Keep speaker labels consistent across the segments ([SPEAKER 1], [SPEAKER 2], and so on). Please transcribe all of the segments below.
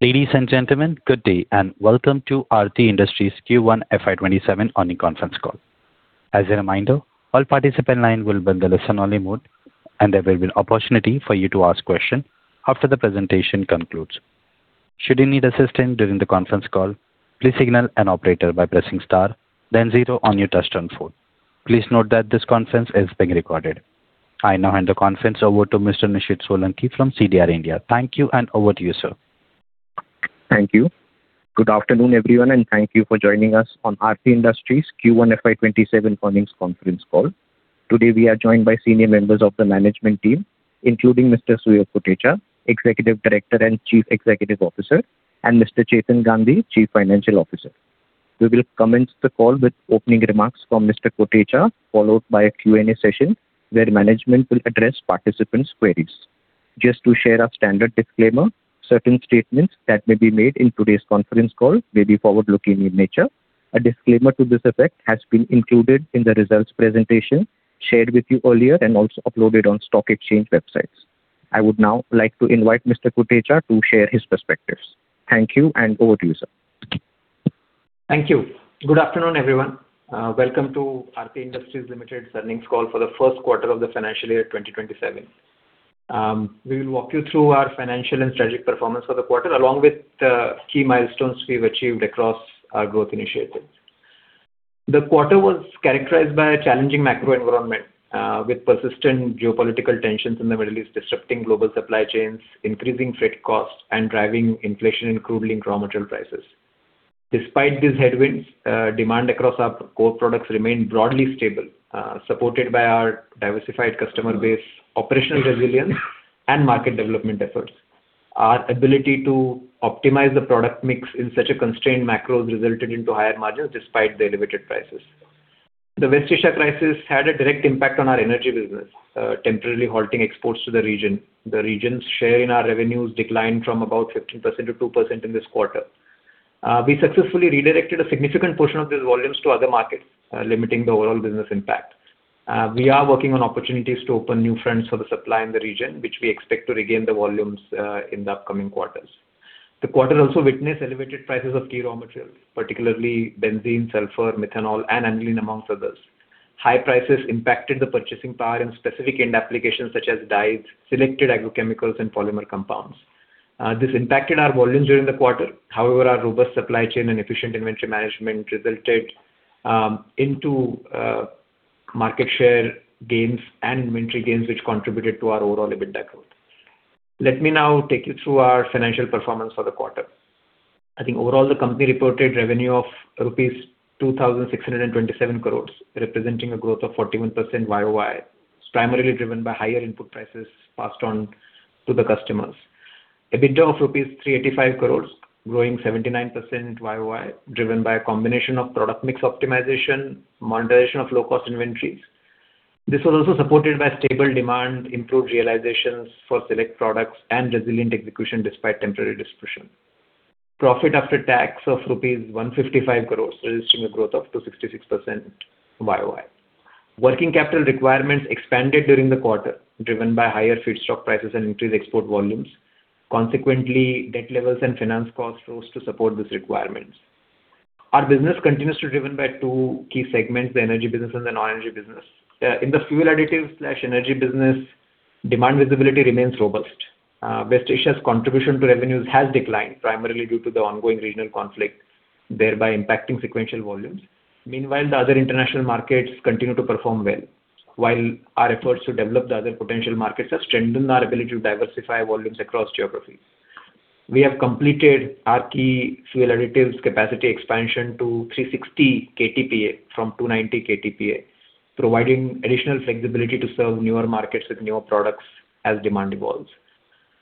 [SPEAKER 1] Ladies and gentlemen, good day and welcome to Aarti Industries Q1 FY 2027 earnings conference call. As a reminder, all participant lines will be in listen-only mode and there will be opportunity for you to ask questions after the presentation concludes. Should you need assistance during the conference call, please signal an operator by pressing star then zero on your touchtone phone. Please note that this conference is being recorded. I now hand the conference over to Mr. Nishid Solanki from CDR India. Thank you. Over to you, sir.
[SPEAKER 2] Thank you. Good afternoon, everyone, and thank you for joining us on Aarti Industries Q1 FY 2027 earnings conference call. Today, we are joined by senior members of the management team, including Mr. Suyog Kotecha, Executive Director and Chief Executive Officer, and Mr. Chetan Gandhi, Chief Financial Officer. We will commence the call with opening remarks from Mr. Kotecha, followed by a Q&A session where management will address participants' queries. Just to share our standard disclaimer, certain statements that may be made in today's conference call may be forward-looking in nature. A disclaimer to this effect has been included in the results presentation shared with you earlier and also uploaded on stock exchange websites. I would now like to invite Mr. Kotecha to share his perspectives. Thank you. Over to you, sir.
[SPEAKER 3] Thank you. Good afternoon, everyone. Welcome to Aarti Industries Limited's earnings call for the first quarter of the financial year 2027. We will walk you through our financial and strategic performance for the quarter along with the key milestones we've achieved across our growth initiatives. The quarter was characterized by a challenging macro environment, with persistent geopolitical tensions in the Middle East disrupting global supply chains, increasing freight costs, and driving inflation in crude raw material prices. Despite these headwinds, demand across our core products remained broadly stable, supported by our diversified customer base, operational resilience, and market development efforts. Our ability to optimize the product mix in such a constrained macro resulted into higher margins despite the elevated prices. The West Asia crisis had a direct impact on our energy business, temporarily halting exports to the region. The region's share in our revenues declined from about 15%-2% in this quarter. We successfully redirected a significant portion of these volumes to other markets, limiting the overall business impact. We are working on opportunities to open new fronts for the supply in the region, which we expect to regain the volumes in the upcoming quarters. The quarter also witnessed elevated prices of key raw materials, particularly benzene, sulfur, methanol, and aniline, amongst others. High prices impacted the purchasing power in specific end applications such as dyes, selected agrochemicals, and polymer compounds. This impacted our volumes during the quarter. However, our robust supply chain and efficient inventory management resulted into market share gains and inventory gains, which contributed to our overall EBITDA growth. Let me now take you through our financial performance for the quarter. I think overall, the company reported revenue of rupees 2,627 crore, representing a growth of 41% YoY. It's primarily driven by higher input prices passed on to the customers. EBITDA of rupees 385 crore, growing 79% YoY, driven by a combination of product mix optimization, monetization of low cost inventories. This was also supported by stable demand, improved realizations for select products, and resilient execution despite temporary disruption. Profit after tax of rupees 155 crore, registering a growth up to 66% YoY. Working capital requirements expanded during the quarter, driven by higher feedstock prices and increased export volumes. Consequently, debt levels and finance costs rose to support these requirements. Our business continues to be driven by two key segments, the energy business and the non-energy business. In the fuel additives/energy business, demand visibility remains robust. West Asia's contribution to revenues has declined primarily due to the ongoing regional conflict, thereby impacting sequential volumes. Meanwhile, the other international markets continue to perform well, while our efforts to develop the other potential markets have strengthened our ability to diversify volumes across geographies. We have completed our key fuel additives capacity expansion to 360 KTPA from 290 KTPA, providing additional flexibility to serve newer markets with newer products as demand evolves.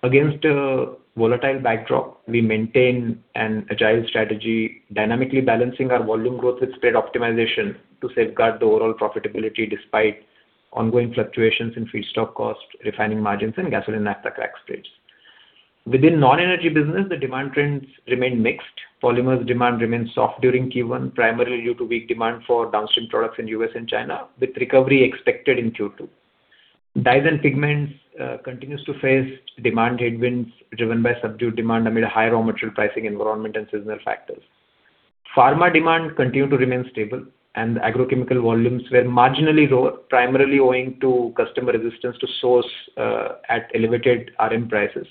[SPEAKER 3] Against a volatile backdrop, we maintain an agile strategy, dynamically balancing our volume growth with spread optimization to safeguard the overall profitability despite ongoing fluctuations in feedstock cost, refining margins, and gasoline/naphtha crack spreads. Within non-energy business, the demand trends remain mixed. Polymers demand remains soft during Q1, primarily due to weak demand for downstream products in U.S. and China, with recovery expected in Q2. Dyes and pigments continues to face demand headwinds driven by subdued demand amid a higher raw material pricing environment and seasonal factors. Pharma demand continued to remain stable, and agrochemical volumes were marginally low, primarily owing to customer resistance to source at elevated RM prices.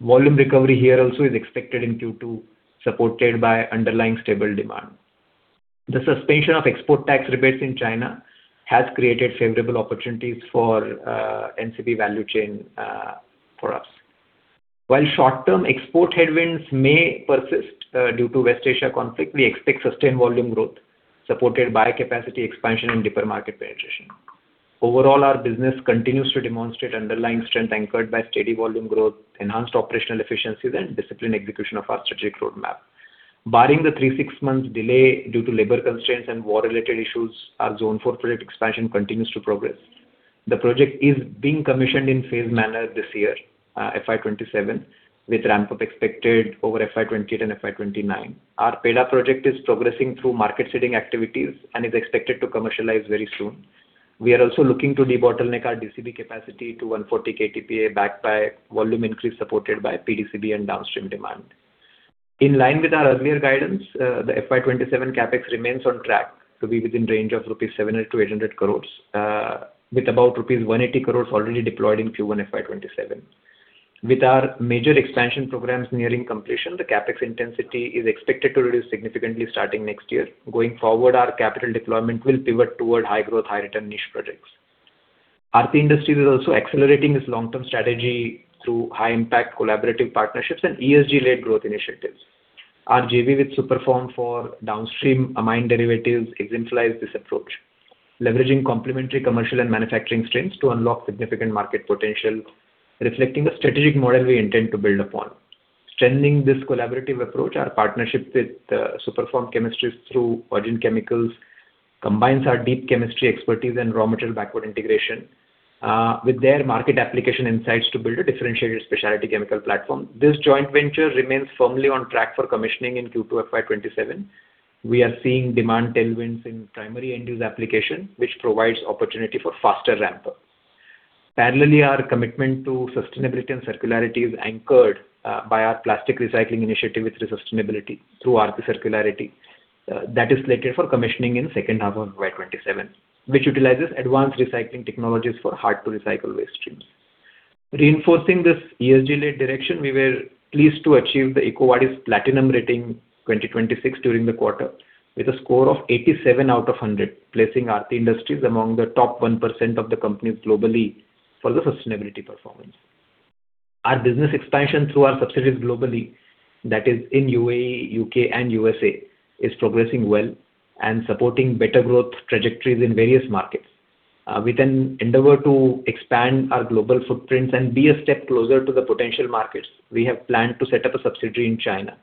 [SPEAKER 3] Volume recovery here also is expected in Q2, supported by underlying stable demand. The suspension of export tax rebates in China has created favorable opportunities for NCB value chain for us. While short-term export headwinds may persist due to West Asia conflict, we expect sustained volume growth supported by capacity expansion and deeper market penetration. Overall, our business continues to demonstrate underlying strength anchored by steady volume growth, enhanced operational efficiencies, and disciplined execution of our strategic roadmap. Barring the three to six months delay due to labor constraints and war-related issues, our Zone IV project expansion continues to progress. The project is being commissioned in phased manner this year, FY 2027, with ramp-up expected over FY 2028 and FY 2029. Our PDA project is progressing through market-seeding activities and is expected to commercialize very soon. We are also looking to debottleneck our DCB capacity to 140 KTPA backed by volume increase supported by PDCB and downstream demand. In line with our earlier guidance, the FY 2027 CapEx remains on track to be within range of 700 crore-800 crore rupees, with about rupees 180 crore already deployed in Q1 FY 2027. With our major expansion programs nearing completion, the CapEx intensity is expected to reduce significantly starting next year. Going forward, our capital deployment will pivot toward high growth, high return niche projects. Aarti Industries is also accelerating its long-term strategy through high impact collaborative partnerships and ESG-led growth initiatives. Our JV with SUPERFORM for downstream amine derivatives exemplifies this approach, leveraging complementary commercial and manufacturing strengths to unlock significant market potential, reflecting the strategic model we intend to build upon. Strengthening this collaborative approach, our partnership with SUPERFORM Chemistries through Augene Chemical combines our deep chemistry expertise and raw material backward integration, with their market application insights to build a differentiated specialty chemical platform. This joint venture remains firmly on track for commissioning in Q2 FY 2027. We are seeing demand tailwinds in primary end-use application, which provides opportunity for faster ramp-up. Parallelly, our commitment to sustainability and circularity is anchored by our plastic recycling initiative with Re Sustainability through Aarti Circularity. That is slated for commissioning in the second half of FY 2027, which utilizes advanced recycling technologies for hard to recycle waste streams. Reinforcing this ESG-led direction, we were pleased to achieve the EcoVadis Platinum rating 2026 during the quarter, with a score of 87 out of 100, placing Aarti Industries among the top 1% of the companies globally for the sustainability performance. Our business expansion through our subsidiaries globally, that is in U.A.E., U.K., and U.S.A., is progressing well and supporting better growth trajectories in various markets. With an endeavor to expand our global footprints and be a step closer to the potential markets, we have planned to set up a subsidiary in China.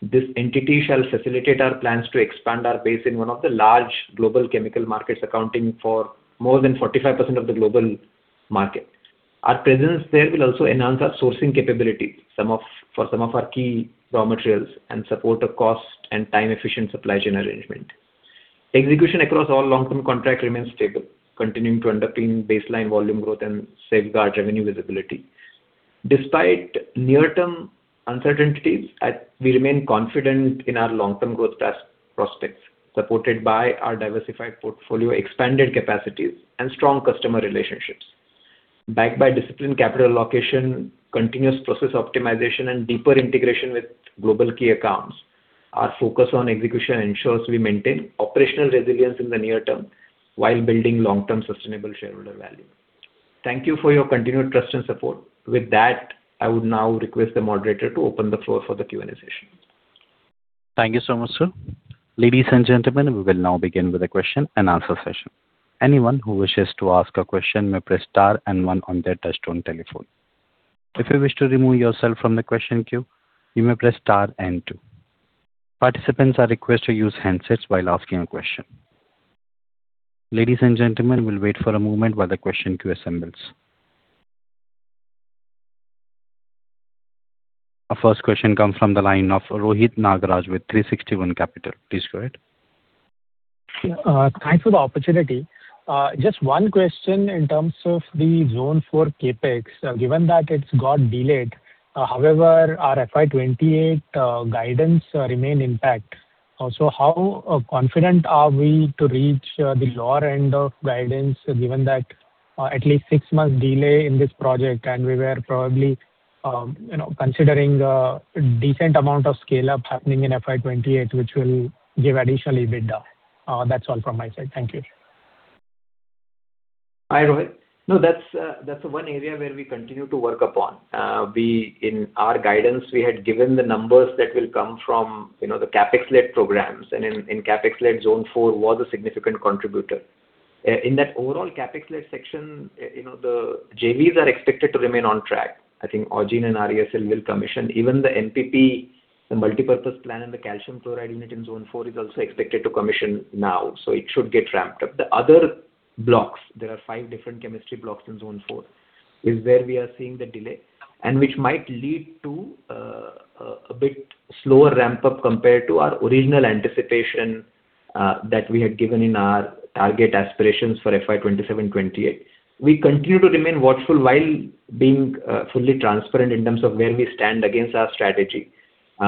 [SPEAKER 3] This entity shall facilitate our plans to expand our base in one of the large global chemical markets, accounting for more than 45% of the global market. Our presence there will also enhance our sourcing capability for some of our key raw materials and support a cost and time efficient supply chain arrangement. Execution across all long-term contract remains stable, continuing to underpin baseline volume growth and safeguard revenue visibility. Despite near-term uncertainties, we remain confident in our long-term growth prospects, supported by our diversified portfolio, expanded capacities, and strong customer relationships. Backed by disciplined capital allocation, continuous process optimization, and deeper integration with global key accounts, our focus on execution ensures we maintain operational resilience in the near term while building long-term sustainable shareholder value. Thank you for your continued trust and support. With that, I would now request the moderator to open the floor for the Q&A session.
[SPEAKER 1] Thank you so much, sir. Ladies and gentlemen, we will now begin with the question-and-answer session. Anyone who wishes to ask a question may press star and one on their touch-tone telephone. If you wish to remove yourself from the question queue, you may press star and two. Participants are requested to use handsets while asking a question. Ladies and gentlemen, we will wait for a moment while the question queue assembles. Our first question comes from the line of Rohit Nagraj with 360 ONE. Please go ahead.
[SPEAKER 4] Thanks for the opportunity. Just one question in terms of the Zone IV CapEx. Given that it's got delayed, our FY 2028 guidance remain intact. How confident are we to reach the lower end of guidance, given that at least six months delay in this project, and we were probably considering a decent amount of scale-up happening in FY 2028, which will give additional EBITDA? That's all from my side. Thank you.
[SPEAKER 3] Hi, Rohit. That's one area where we continue to work upon. In our guidance, we had given the numbers that will come from the CapEx-led programs, in CapEx-led, Zone IV was a significant contributor. In that overall CapEx-led section, the JVs are expected to remain on track. I think Augene and ReAarti will commission. Even the MPP, the multipurpose plant and the calcium chloride unit in Zone IV is also expected to commission now. It should get ramped up. The other blocks, there are five different chemistry blocks in Zone IV, is where we are seeing the delay, which might lead to a bit slower ramp-up compared to our original anticipation that we had given in our target aspirations for FY 2027, FY 2028. We continue to remain watchful while being fully transparent in terms of where we stand against our strategy. As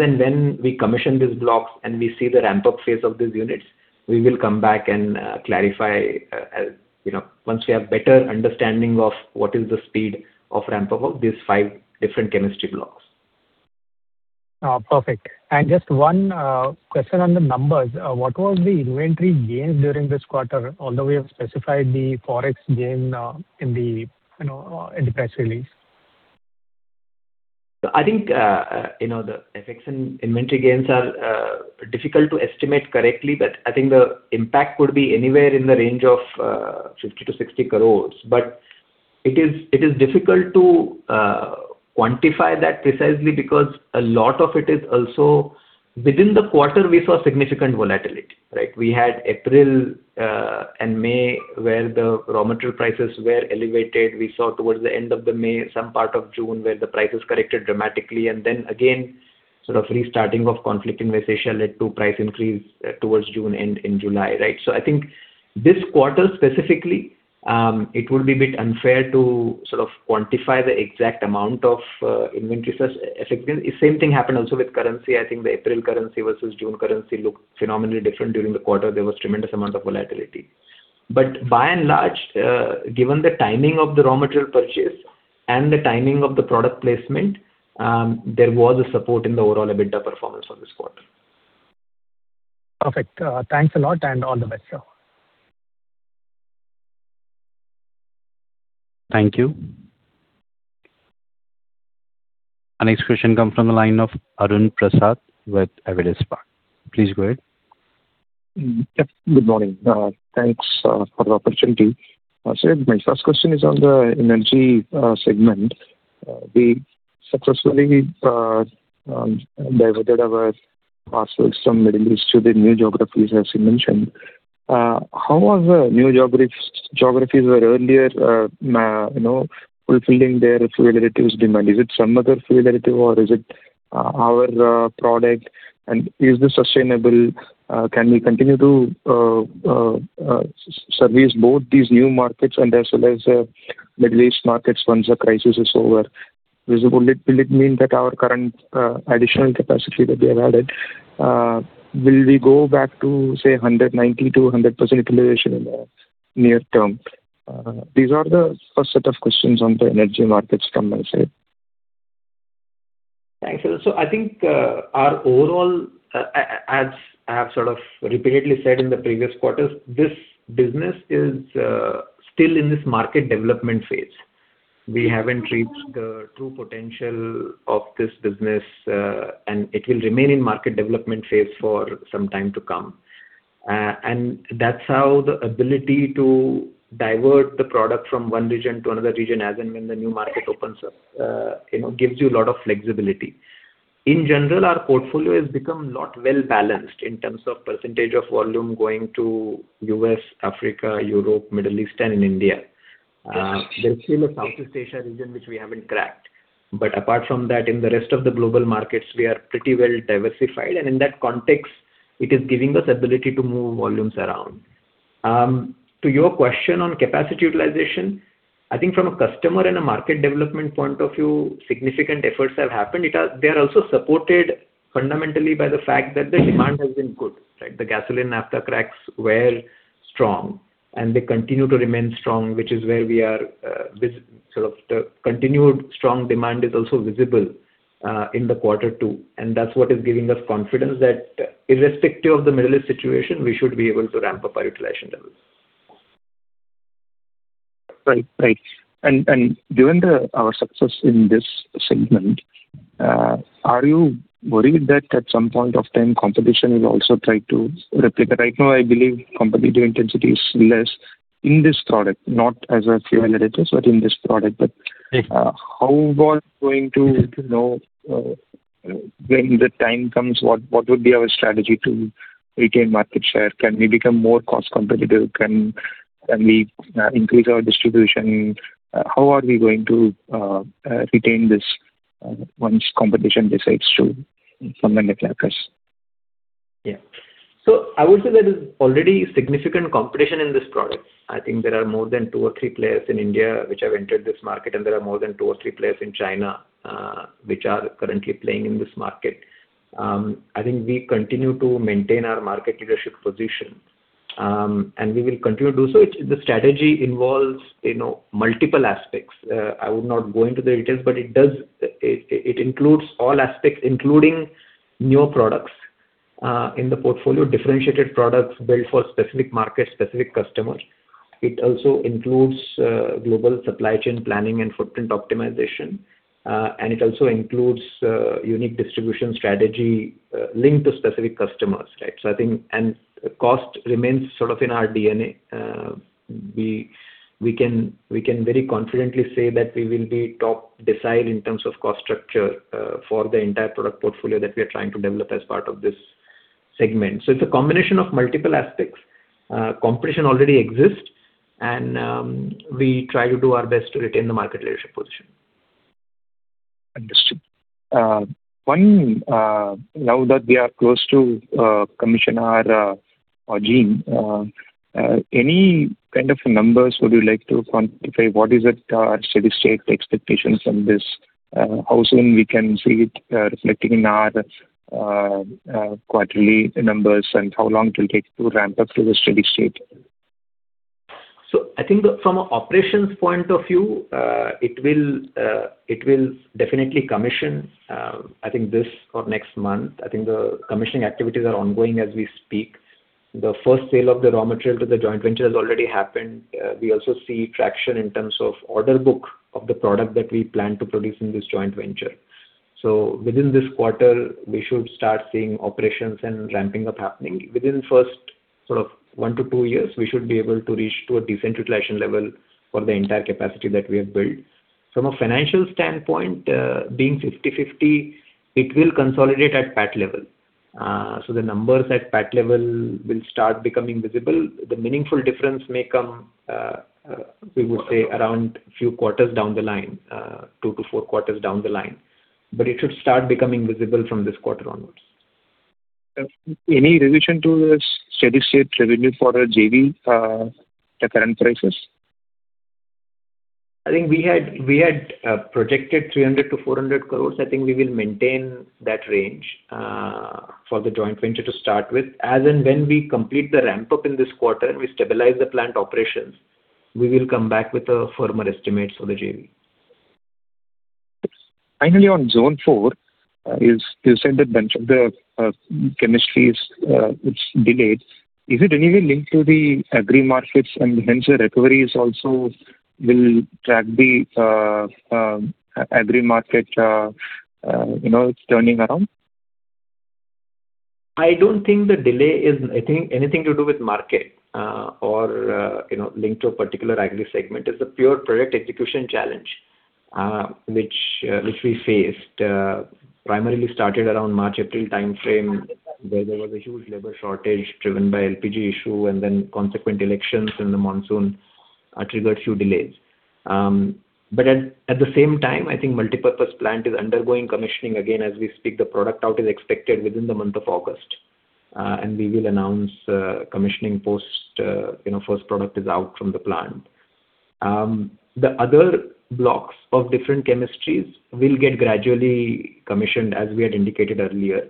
[SPEAKER 3] and when we commission these blocks and we see the ramp-up phase of these units, we will come back and clarify once we have better understanding of what is the speed of ramp-up of these five different chemistry blocks.
[SPEAKER 4] Perfect. Just one question on the numbers. What was the inventory gain during this quarter? Although we have specified the forex gain in the press release.
[SPEAKER 3] I think the FX and inventory gains are difficult to estimate correctly. I think the impact could be anywhere in the range of 50 crore-60 crore. It is difficult to quantify that precisely because a lot of it is also within the quarter, we saw significant volatility, right? We had April and May where the raw material prices were elevated. We saw towards the end of May, some part of June where the prices corrected dramatically. Then again, sort of restarting of conflict in West Asia led to price increase towards June end and July, right? I think this quarter specifically it would be a bit unfair to quantify the exact amount of inventory such effect. Same thing happened also with currency. I think the April currency versus June currency looked phenomenally different during the quarter. There was tremendous amount of volatility. By and large, given the timing of the raw material purchase and the timing of the product placement, there was a support in the overall EBITDA performance for this quarter.
[SPEAKER 4] Perfect. Thanks a lot. All the best.
[SPEAKER 1] Thank you. Our next question come from the line of Arun Prasad with Avendus Spark. Please go ahead.
[SPEAKER 5] Yep. Good morning. Thanks for the opportunity. My first question is on the energy segment. We successfully diverted our products from Middle East to the new geographies, as you mentioned. How were the new geographies where earlier fulfilling their fuel additives demand? Is it some other fuel additive or is it our product, and is this sustainable? Can we continue to service both these new markets and as well as Middle East markets once the crisis is over? Will it mean that our current additional capacity that we have added, will we go back to, say, 90%-100% utilization in the near term? These are the first set of questions on the energy markets from my side.
[SPEAKER 3] Thanks. I think our overall, as I have sort of repeatedly said in the previous quarters, this business is still in this market development phase. We haven't reached the true potential of this business, and it will remain in market development phase for some time to come. That's how the ability to divert the product from one region to another region, as and when the new market opens up gives you a lot of flexibility. In general, our portfolio has become lot well-balanced in terms of percentage of volume going to U.S., Africa, Europe, Middle East, and in India. There's still a Southeast Asia region which we haven't cracked. Apart from that, in the rest of the global markets, we are pretty well diversified. In that context, it is giving us ability to move volumes around. To your question on capacity utilization, I think from a customer and a market development point of view, significant efforts have happened. They are also supported fundamentally by the fact that the demand has been good. The gasoline naphtha cracks were strong, they continue to remain strong. The continued strong demand is also visible in the quarter two, that's what is giving us confidence that irrespective of the Middle East situation, we should be able to ramp up our utilization levels.
[SPEAKER 5] Right. Given our success in this segment, are you worried that at some point of time competition will also try to replicate? Right now, I believe competitive intensity is less in this product, not as a fuel additives, but in this product. Yeah. How are we going to know when the time comes what would be our strategy to retain market share? Can we become more cost competitive? Can we increase our distribution? How are we going to retain this once competition decides to come in the market?
[SPEAKER 3] Yeah. I would say there is already significant competition in this product. I think there are more than two or three players in India which have entered this market, and there are more than two or three players in China which are currently playing in this market. I think we continue to maintain our market leadership position, and we will continue to do so. The strategy involves multiple aspects. I would not go into the details, but it includes all aspects, including newer products in the portfolio, differentiated products built for specific markets, specific customers. It also includes global supply chain planning and footprint optimization, and it also includes unique distribution strategy linked to specific customers. Right? Cost remains sort of in our DNA. We can very confidently say that we will be top decile in terms of cost structure for the entire product portfolio that we are trying to develop as part of this segment. It's a combination of multiple aspects. Competition already exists, and we try to do our best to retain the market leadership position.
[SPEAKER 5] Understood. One, now that we are close to commission our JV, any kind of numbers would you like to quantify what is at our steady state expectations on this? How soon we can see it reflecting in our quarterly numbers, and how long it will take to ramp up to the steady state?
[SPEAKER 3] I think from a operations point of view, it will definitely commission this or next month. The commissioning activities are ongoing as we speak. The first sale of the raw material to the joint venture has already happened. We also see traction in terms of order book of the product that we plan to produce in this joint venture. Within this quarter, we should start seeing operations and ramping up happening. Within first one to two years, we should be able to reach to a decent utilization level for the entire capacity that we have built. From a financial standpoint, being 50/50, it will consolidate at PAT level. The numbers at PAT level will start becoming visible. The meaningful difference may come, we would say around few quarters down the line, two to four quarters down the line. It should start becoming visible from this quarter onwards.
[SPEAKER 5] Any revision to the steady state revenue for the JV at current prices?
[SPEAKER 3] I had projected 300 crore-400 crore. We will maintain that range for the joint venture to start with. As and when we complete the ramp-up in this quarter and we stabilize the plant operations, we will come back with a firmer estimate for the JV.
[SPEAKER 5] Finally, on Zone IV, you said that bunch of the chemistry is delayed. Is it any way linked to the agri markets and hence the recoveries also will track the agri market, it's turning around?
[SPEAKER 3] I don't think the delay is anything to do with market or linked to a particular agri segment. It's a pure product execution challenge which we faced. Primarily started around March, April timeframe, where there was a huge labor shortage driven by LPG issue and then consequent elections in the monsoon triggered few delays. At the same time, I think multipurpose plant is undergoing commissioning again as we speak. The product out is expected within the month of August. We will announce commissioning post first product is out from the plant. The other blocks of different chemistries will get gradually commissioned as we had indicated earlier.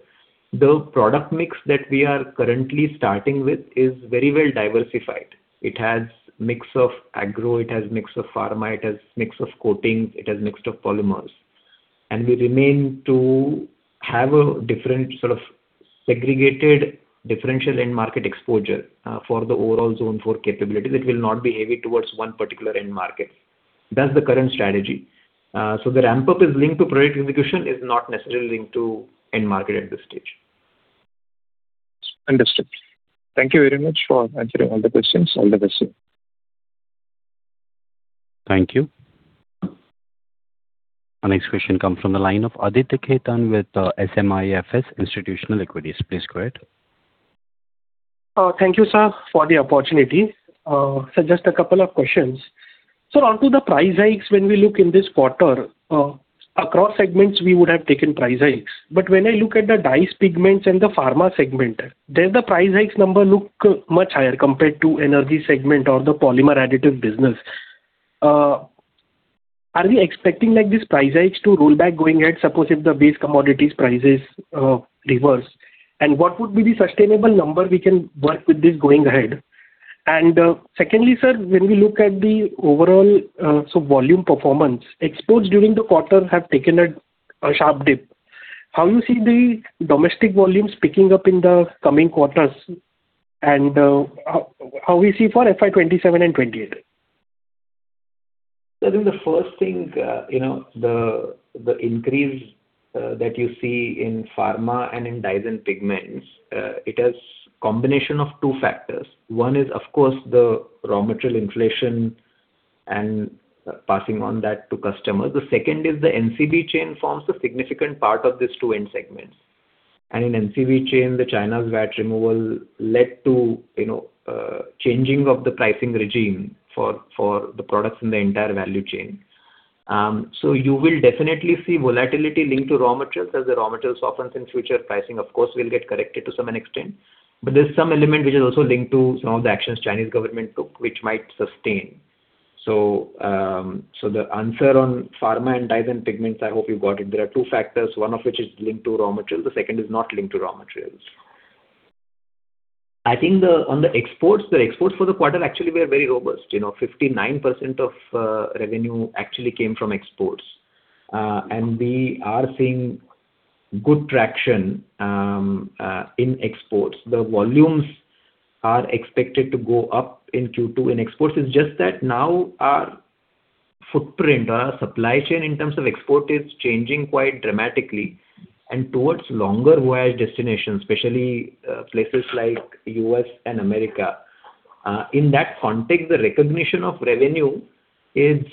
[SPEAKER 3] The product mix that we are currently starting with is very well diversified. It has mix of agro, it has mix of pharma, it has mix of coating, it has mix of polymers. We remain to have a different sort of segregated differential end market exposure for the overall Zone IV capabilities. It will not be heavy towards one particular end market. That's the current strategy. The ramp-up is linked to product execution, is not necessarily linked to end market at this stage.
[SPEAKER 5] Understood. Thank you very much for answering all the questions.
[SPEAKER 3] Thank you.
[SPEAKER 1] Our next question comes from the line of Aditya Khetan with SMIFS Institutional Equities. Please go ahead.
[SPEAKER 6] Thank you, sir, for the opportunity. Sir, just a couple of questions. Onto the price hikes, when we look in this quarter, across segments, we would have taken price hikes. When I look at the dyes, pigments and the pharma segment, there the price hikes number look much higher compared to energy segment or the polymer additive business. Are we expecting like this price hike to roll back going ahead, suppose if the base commodities prices reverse? What would be the sustainable number we can work with this going ahead? Secondly, sir, when we look at the overall volume performance, exports during the quarter have taken a sharp dip. How you see the domestic volumes picking up in the coming quarters? How we see for FY 2027 and FY 2028?
[SPEAKER 3] Sir, I think the first thing, the increase that you see in pharma and in dyes and pigments, it is combination of two factors. One is, of course, the raw material inflation and passing on that to customers. The second is the NCB chain forms a significant part of these two end segments. In NCB chain, the China's VAT removal led to changing of the pricing regime for the products in the entire value chain. You will definitely see volatility linked to raw materials, as the raw materials softens in future, pricing of course, will get corrected to some extent. There's some element which is also linked to some of the actions Chinese government took, which might sustain. The answer on pharma and dyes and pigments, I hope you got it. There are two factors, one of which is linked to raw materials, the second is not linked to raw materials. I think on the exports, the exports for the quarter actually were very robust. 59% of revenue actually came from exports. We are seeing good traction in exports. The volumes are expected to go up in Q2 in exports. It's just that now our footprint, our supply chain in terms of export is changing quite dramatically and towards longer wire destinations, especially places like U.S. and America. In that context, the recognition of revenue is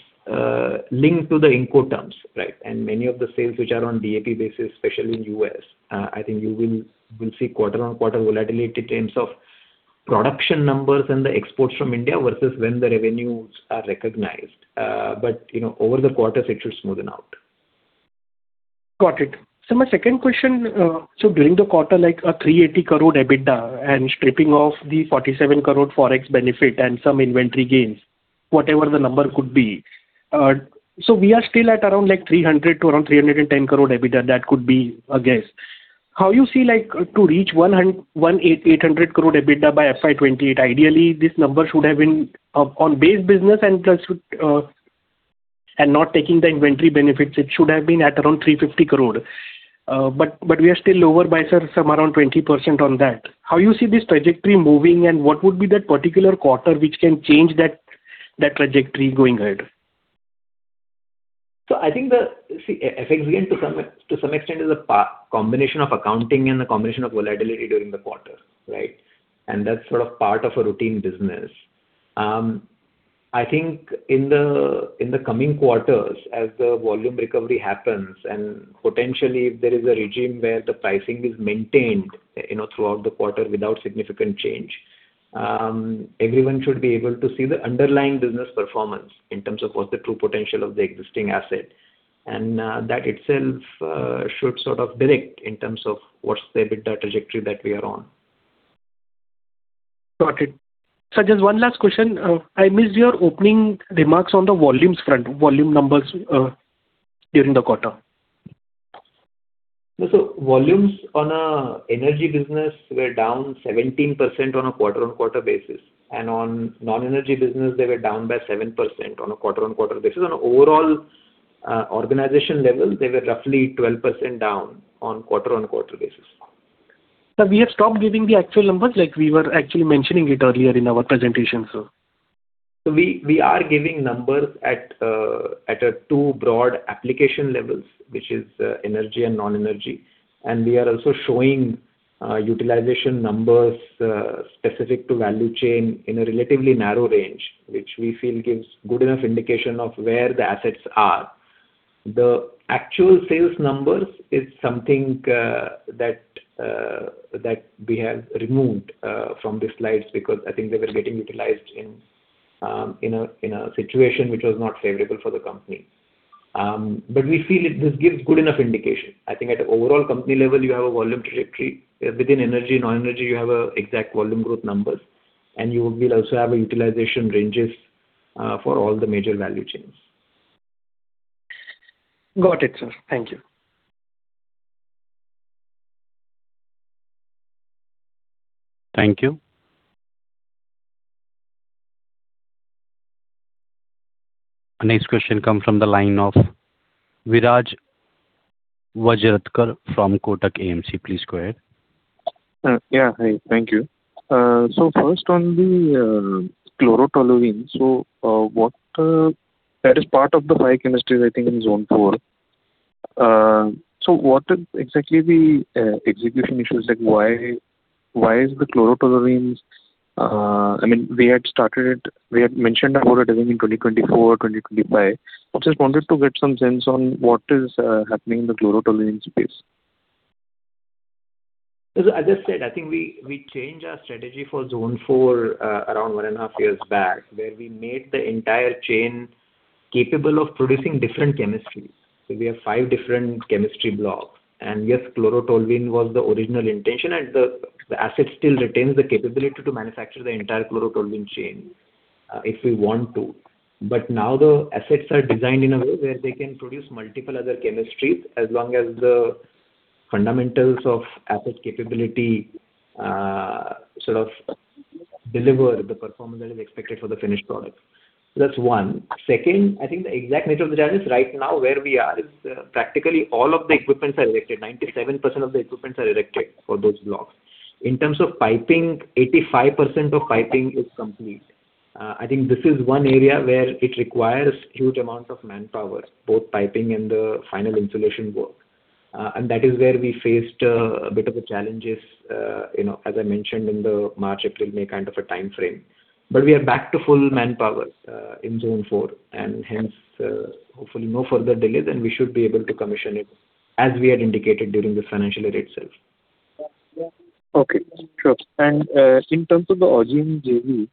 [SPEAKER 3] linked to the Incoterms, right? Many of the sales which are on DAP basis, especially in U.S., I think you will see quarter-on-quarter volatility in terms of production numbers and the exports from India versus when the revenues are recognized. Over the quarters it should smoothen out.
[SPEAKER 6] Got it. Sir, my second question. During the quarter, like a 380 crore EBITDA and stripping off the 47 crore forex benefit and some inventory gains, whatever the number could be. We are still at around like 300 crore-310 crore EBITDA, that could be a guess. How you see like to reach 1,800 crore EBITDA by FY 2028? Ideally, this number should have been on base business and not taking the inventory benefits, it should have been at around 350 crore. We are still lower by, sir, some around 20% on that. How you see this trajectory moving and what would be that particular quarter which can change that trajectory going ahead?
[SPEAKER 3] I think the, see, FX gain to some extent is a combination of accounting and a combination of volatility during the quarter, right? That's sort of part of a routine business. I think in the coming quarters, as the volume recovery happens and potentially if there is a regime where the pricing is maintained throughout the quarter without significant change Everyone should be able to see the underlying business performance in terms of what the true potential of the existing asset is. That itself should sort of direct in terms of what's the EBITDA trajectory that we are on.
[SPEAKER 6] Got it. Sir, just one last question. I missed your opening remarks on the volumes front, volume numbers during the quarter.
[SPEAKER 3] Volumes on our energy business were down 17% on a quarter-on-quarter basis, and on non-energy business, they were down by 7% on a quarter-on-quarter basis. On an overall organization level, they were roughly 12% down on a quarter-on-quarter basis.
[SPEAKER 6] Sir, we have stopped giving the actual numbers like we were actually mentioning it earlier in our presentation, sir.
[SPEAKER 3] We are giving numbers at two broad application levels, which is energy and non-energy. We are also showing utilization numbers specific to value chain in a relatively narrow range, which we feel gives good enough indication of where the assets are. The actual sales numbers is something that we have removed from the slides because I think they were getting utilized in a situation which was not favorable for the company. We feel this gives good enough indication. I think at the overall company level, you have a volume trajectory. Within energy and non-energy, you have exact volume growth numbers, and you will also have utilization ranges for all the major value chains.
[SPEAKER 6] Got it, sir. Thank you.
[SPEAKER 1] Thank you. Our next question comes from the line of Viraj Vajratkar from Kotak AMC. Please go ahead.
[SPEAKER 7] Yeah. Hi, thank you. First on the chlorotoluene. That is part of the Aarti Industries, I think, in Zone IV. What are exactly the execution issues? We had mentioned about it, I think in 2024, 2025. I just wanted to get some sense on what is happening in the chlorotoluene space.
[SPEAKER 3] As I said, I think we changed our strategy for Zone IV around one and a half years back, where we made the entire chain capable of producing different chemistries. We have five different chemistry blocks. Yes, chlorotoluene was the original intention, and the asset still retains the capability to manufacture the entire chlorotoluene chain if we want to. Now the assets are designed in a way where they can produce multiple other chemistries, as long as the fundamentals of asset capability sort of deliver the performance that is expected for the finished product. That's one. Second, I think the exact nature of the challenge is right now where we are is practically all of the equipments are erected. 97% of the equipments are erected for those blocks. In terms of piping, 85% of piping is complete. I think this is one area where it requires huge amount of manpower, both piping and the final insulation work. That is where we faced a bit of the challenges, as I mentioned in the March, April, May kind of a timeframe. We are back to full manpower in Zone IV, and hence, hopefully no further delays, and we should be able to commission it as we had indicated during the financial year itself.
[SPEAKER 7] Okay, sure. In terms of the Augene JV,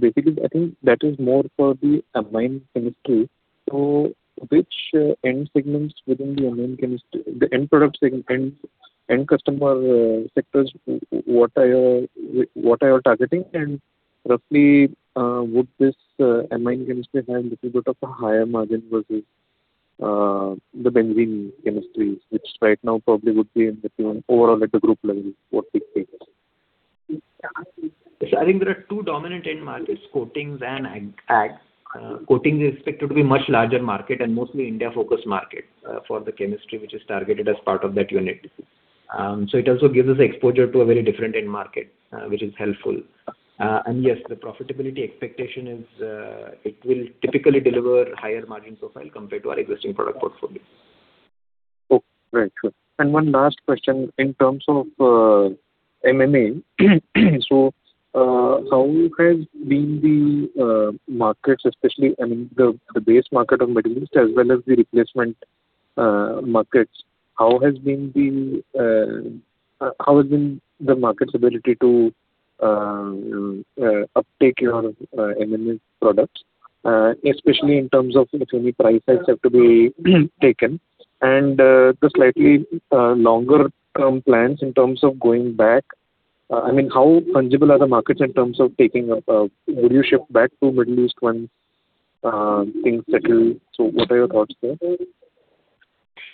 [SPEAKER 7] basically, I think that is more for the amine chemistry. Which end segments within the amine chemistry, the end product segment, end customer sectors, what are you targeting? Roughly, would this amine chemistry have little bit of a higher margin versus the benzene chemistry, which right now probably would be in the overall at the group level, what we take?
[SPEAKER 3] I think there are two dominant end markets, coatings and ag. Coatings is expected to be much larger market and mostly India focused market for the chemistry which is targeted as part of that unit. It also gives us exposure to a very different end market, which is helpful. Yes, the profitability expectation is it will typically deliver higher margin profile compared to our existing product portfolio.
[SPEAKER 7] Okay, great. Sure. One last question in terms of MMA. How has been the markets, especially, I mean, the base market of Middle East as well as the replacement markets, how has been the market's ability to uptake your MMA products, especially in terms of if any price hikes have to be taken, and the slightly longer term plans in terms of going back? I mean, how fungible are the markets in terms of taking up a volume shift back to Middle East once things settle? What are your thoughts there?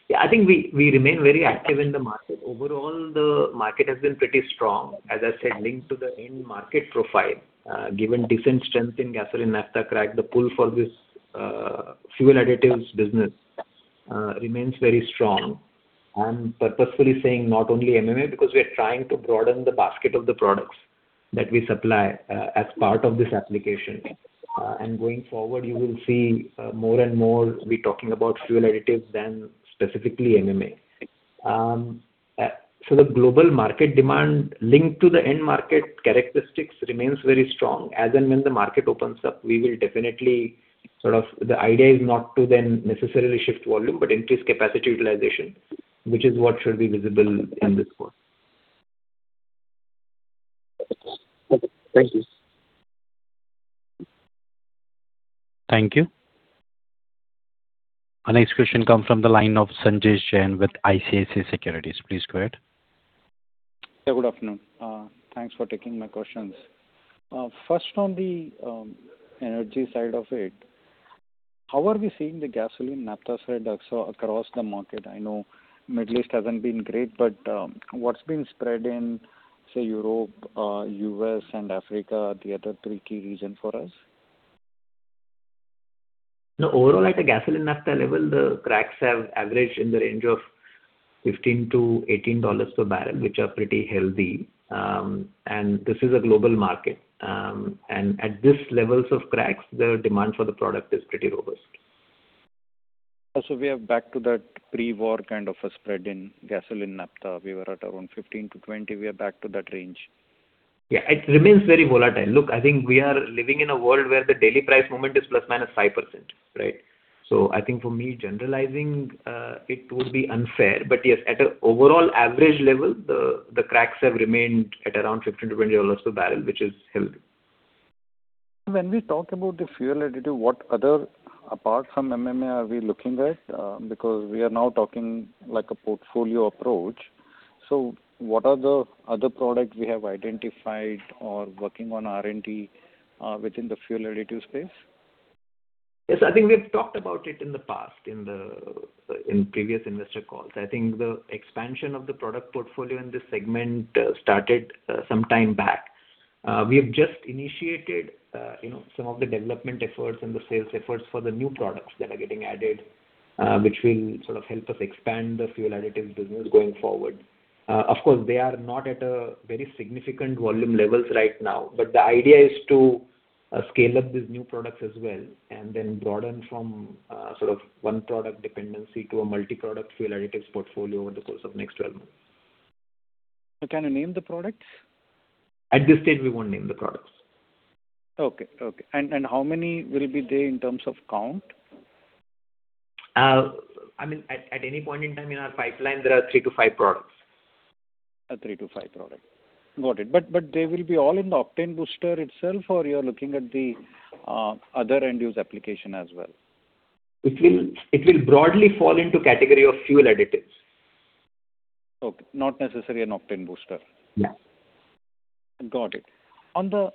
[SPEAKER 3] Yeah, I think we remain very active in the market. Overall, the market has been pretty strong, as I said, linked to the end market profile. Given decent strength in gasoline, naphtha crack, the pull for this fuel additives business remains very strong. I'm purposefully saying not only MMA because we are trying to broaden the basket of the products that we supply as part of this application. Going forward, you will see more and more we talking about fuel additives than specifically MMA. The global market demand linked to the end market characteristics remains very strong. As and when the market opens up, the idea is not to then necessarily shift volume, but increase capacity utilization which is what should be visible in this quarter.
[SPEAKER 7] Okay. Thank you.
[SPEAKER 1] Thank you. Our next question comes from the line of Sanjesh Jain with ICICI Securities. Please go ahead.
[SPEAKER 8] Yeah. Good afternoon. Thanks for taking my questions. First, on the energy side of it, how are we seeing the gasoline naphtha side across the market? I know Middle East hasn't been great, but what's been spread in, say, Europe, U.S., and Africa, the other three key region for us?
[SPEAKER 3] No, overall, at a gasoline naphtha level, the cracks have averaged in the range of $15-$18/bbl, which are pretty healthy. This is a global market. At these levels of cracks, the demand for the product is pretty robust.
[SPEAKER 9] We are back to that pre-war kind of a spread in gasoline naphtha. We were at around $15-$20/bbl, we are back to that range.
[SPEAKER 3] It remains very volatile. Look, I think we are living in a world where the daily price movement is ±5%, right? I think for me, generalizing it would be unfair. Yes, at an overall average level, the cracks have remained at around $15-$20/bbl, which is healthy.
[SPEAKER 8] When we talk about the fuel additive, what other, apart from MMA, are we looking at? We are now talking like a portfolio approach. What are the other products we have identified or working on R&D within the fuel additive space?
[SPEAKER 3] I think we've talked about it in the past, in previous investor calls. I think the expansion of the product portfolio in this segment started some time back. We have just initiated some of the development efforts and the sales efforts for the new products that are getting added, which will sort of help us expand the fuel additives business going forward. Of course, they are not at very significant volume levels right now. The idea is to scale up these new products as well, and then broaden from sort of one product dependency to a multi-product fuel additives portfolio over the course of next 12 months.
[SPEAKER 8] Can you name the products?
[SPEAKER 3] At this stage, we won't name the products.
[SPEAKER 8] Okay. How many will be there in terms of count?
[SPEAKER 3] At any point in time in our pipeline, there are three to five products.
[SPEAKER 8] Three to five products. Got it. They will be all in the octane booster itself, or you're looking at the other end-use application as well?
[SPEAKER 3] It will broadly fall into category of fuel additives.
[SPEAKER 8] Okay. Not necessarily an octane booster?
[SPEAKER 3] No.
[SPEAKER 8] Got it. On the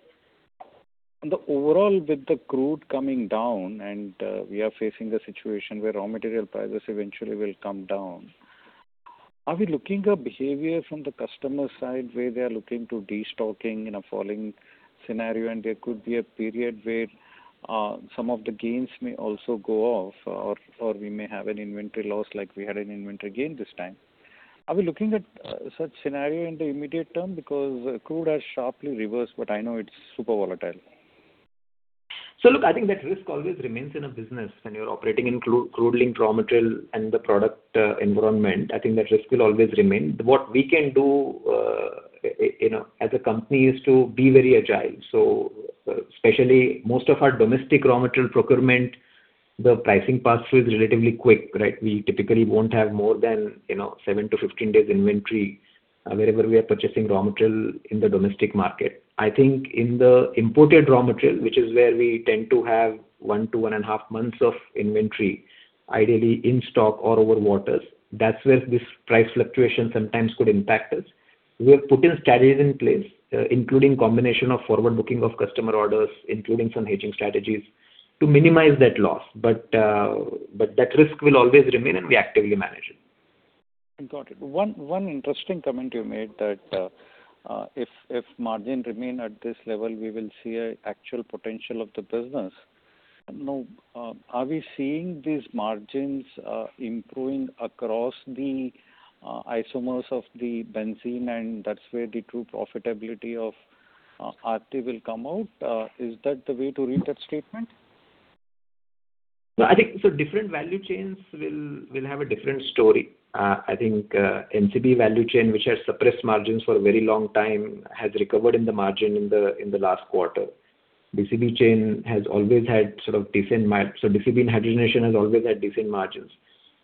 [SPEAKER 8] overall with the crude coming down, we are facing a situation where raw material prices eventually will come down. Are we looking a behavior from the customer side where they are looking to destocking in a falling scenario, there could be a period where some of the gains may also go off or we may have an inventory loss like we had an inventory gain this time? Are we looking at such scenario in the immediate term? Crude has sharply reversed, but I know it's super volatile.
[SPEAKER 3] Look, I think that risk always remains in a business when you're operating in crude-linked raw material and product environment. I think that risk will always remain. What we can do as a company is to be very agile. Especially most of our domestic raw material procurement, the pricing pass-through is relatively quick, right? We typically won't have more than 7-15 days inventory wherever we are purchasing raw material in the domestic market. I think in the imported raw material, which is where we tend to have 1-1.5 months of inventory, ideally in stock or over waters, that's where this price fluctuation sometimes could impact us. We have put in strategies in place, including combination of forward booking of customer orders, including some hedging strategies to minimize that loss. That risk will always remain, and we actively manage it.
[SPEAKER 8] Got it. One interesting comment you made that if margin remain at this level, we will see an actual potential of the business. Are we seeing these margins improving across the isomers of the benzene, and that's where the true profitability of Aarti will come out? Is that the way to read that statement?
[SPEAKER 3] I think different value chains will have a different story. I think MCB value chain, which has suppressed margins for a very long time, has recovered in the margin in the last quarter. DCB chain has always had sort of decent. DCB hydrogenation has always had decent margins.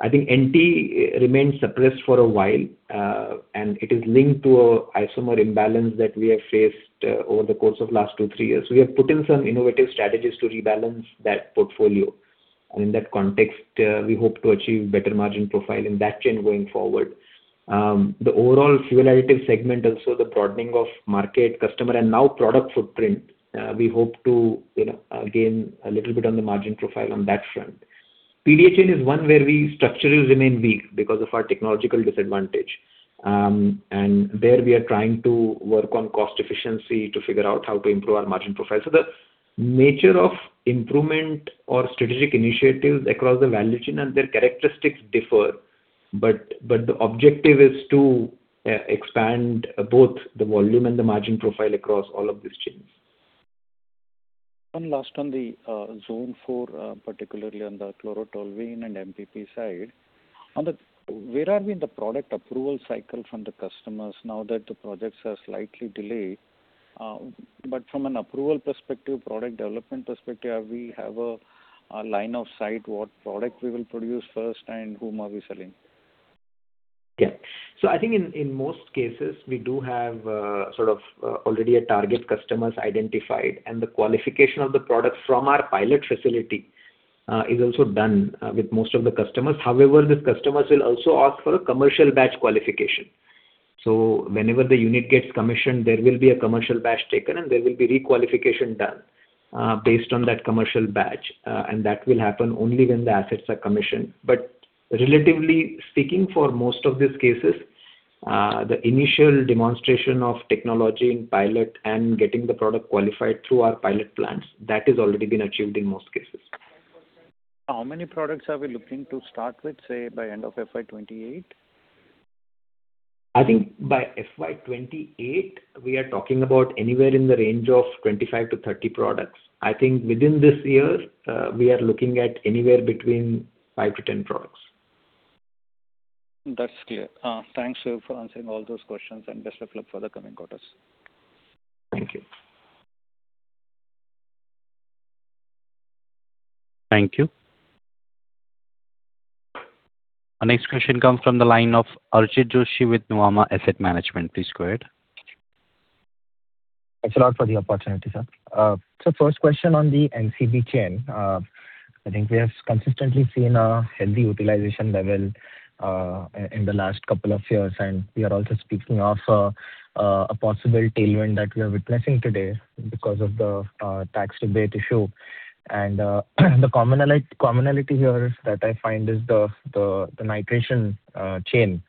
[SPEAKER 3] I think NT remains suppressed for a while, and it is linked to a isomer imbalance that we have faced over the course of last two to three years. We have put in some innovative strategies to rebalance that portfolio. In that context, we hope to achieve better margin profile in that chain going forward. The overall fuel additive segment, also the broadening of market, customer, and now product footprint, we hope to gain a little bit on the margin profile on that front. PDA chain is one where we structurally remain weak because of our technological disadvantage. There we are trying to work on cost efficiency to figure out how to improve our margin profile. The nature of improvement or strategic initiatives across the value chain and their characteristics differ. The objective is to expand both the volume and the margin profile across all of these chains.
[SPEAKER 8] One last on the Zone IV, particularly on the chlorotoluene and MPP side. Where are we in the product approval cycle from the customers now that the projects are slightly delayed? From an approval perspective, product development perspective, we have a line of sight what product we will produce first and whom are we selling?
[SPEAKER 3] Yeah. I think in most cases, we do have sort of already target customers identified and the qualification of the product from our pilot facility is also done with most of the customers. However, the customers will also ask for a commercial batch qualification. Whenever the unit gets commissioned, there will be a commercial batch taken, and there will be re-qualification done based on that commercial batch. That will happen only when the assets are commissioned. Relatively speaking, for most of these cases, the initial demonstration of technology in pilot and getting the product qualified through our pilot plans, that has already been achieved in most cases.
[SPEAKER 8] How many products are we looking to start with, say by end of FY 2028?
[SPEAKER 3] I think by FY 2028, we are talking about anywhere in the range of 25-30 products. I think within this year, we are looking at anywhere between 5-10 products.
[SPEAKER 8] That's clear. Thanks for answering all those questions, and best of luck for the coming quarters.
[SPEAKER 3] Thank you.
[SPEAKER 1] Thank you. Our next question comes from the line of Archit Joshi with Nuvama Asset Management. Please go ahead.
[SPEAKER 10] Thanks a lot for the opportunity, sir. First question on the MCB chain. I think we have consistently seen a healthy utilization level in the last couple of years, and we are also speaking of a possible tailwind that we are witnessing today because of the tax rebate issue. The commonality here that I find is the nitration chain.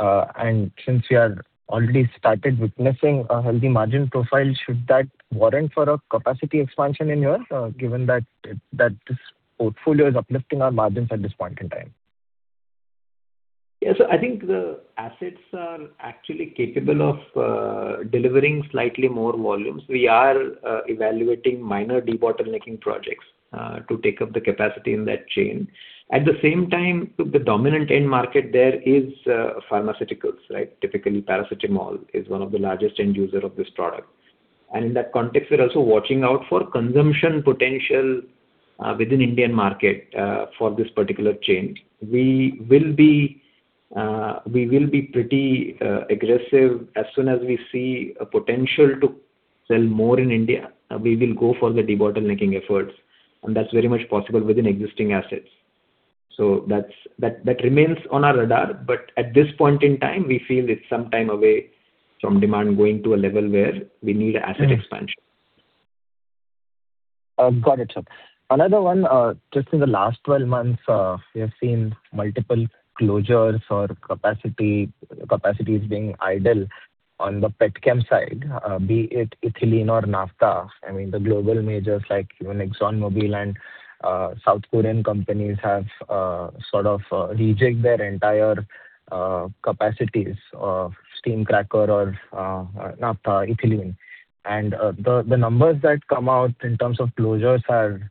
[SPEAKER 10] Since we have already started witnessing a healthy margin profile, should that warrant for a capacity expansion in here, given that this portfolio is uplifting our margins at this point in time?
[SPEAKER 3] I think the assets are actually capable of delivering slightly more volumes. We are evaluating minor debottlenecking projects to take up the capacity in that chain. At the same time, the dominant end market there is pharmaceuticals. Typically, paracetamol is one of the largest end user of this product. In that context, we're also watching out for consumption potential within Indian market for this particular chain. We will be pretty aggressive as soon as we see a potential to sell more in India. We will go for the debottlenecking efforts, and that's very much possible within existing assets. That remains on our radar, but at this point in time, we feel it's some time away from demand going to a level where we need asset expansion.
[SPEAKER 10] Got it, sir. Another one. Just in the last 12 months, we have seen multiple closures or capacities being idle on the pet chem side, be it ethylene or naphtha. I mean, the global majors like even ExxonMobil and South Korean companies have sort of rejig their entire capacities of steam cracker or naphtha, ethylene. The numbers that come out in terms of closures are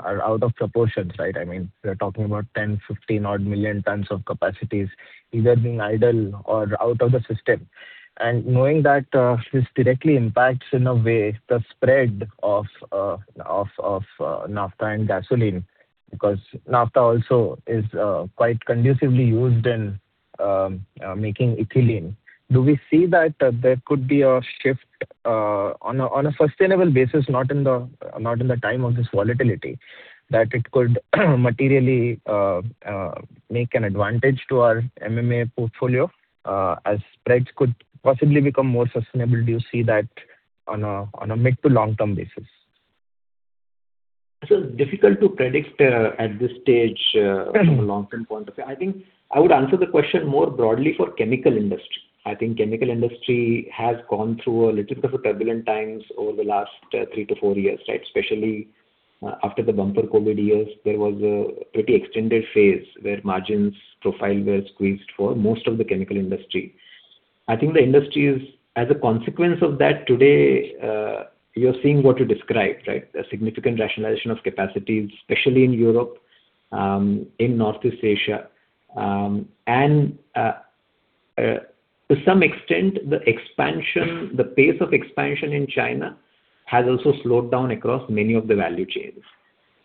[SPEAKER 10] out of proportions. I mean, we're talking about 10, 15 odd million tons of capacities either being idle or out of the system. Knowing that this directly impacts in a way the spread of naphtha and gasoline, because naphtha also is quite conducively used in making ethylene. Do we see that there could be a shift on a sustainable basis, not in the time of this volatility, that it could materially make an advantage to our MMA portfolio as spreads could possibly become more sustainable? Do you see that on a mid to long-term basis?
[SPEAKER 3] Difficult to predict at this stage from a long-term point of view. I think I would answer the question more broadly for chemical industry. I think chemical industry has gone through a little bit of a turbulent times over the last three to four years, especially after the bumper COVID years, there was a pretty extended phase where margins profile were squeezed for most of the chemical industry. I think the industry is, as a consequence of that today you're seeing what you described, a significant rationalization of capacity, especially in Europe, in Northeast Asia. To some extent, the pace of expansion in China has also slowed down across many of the value chains.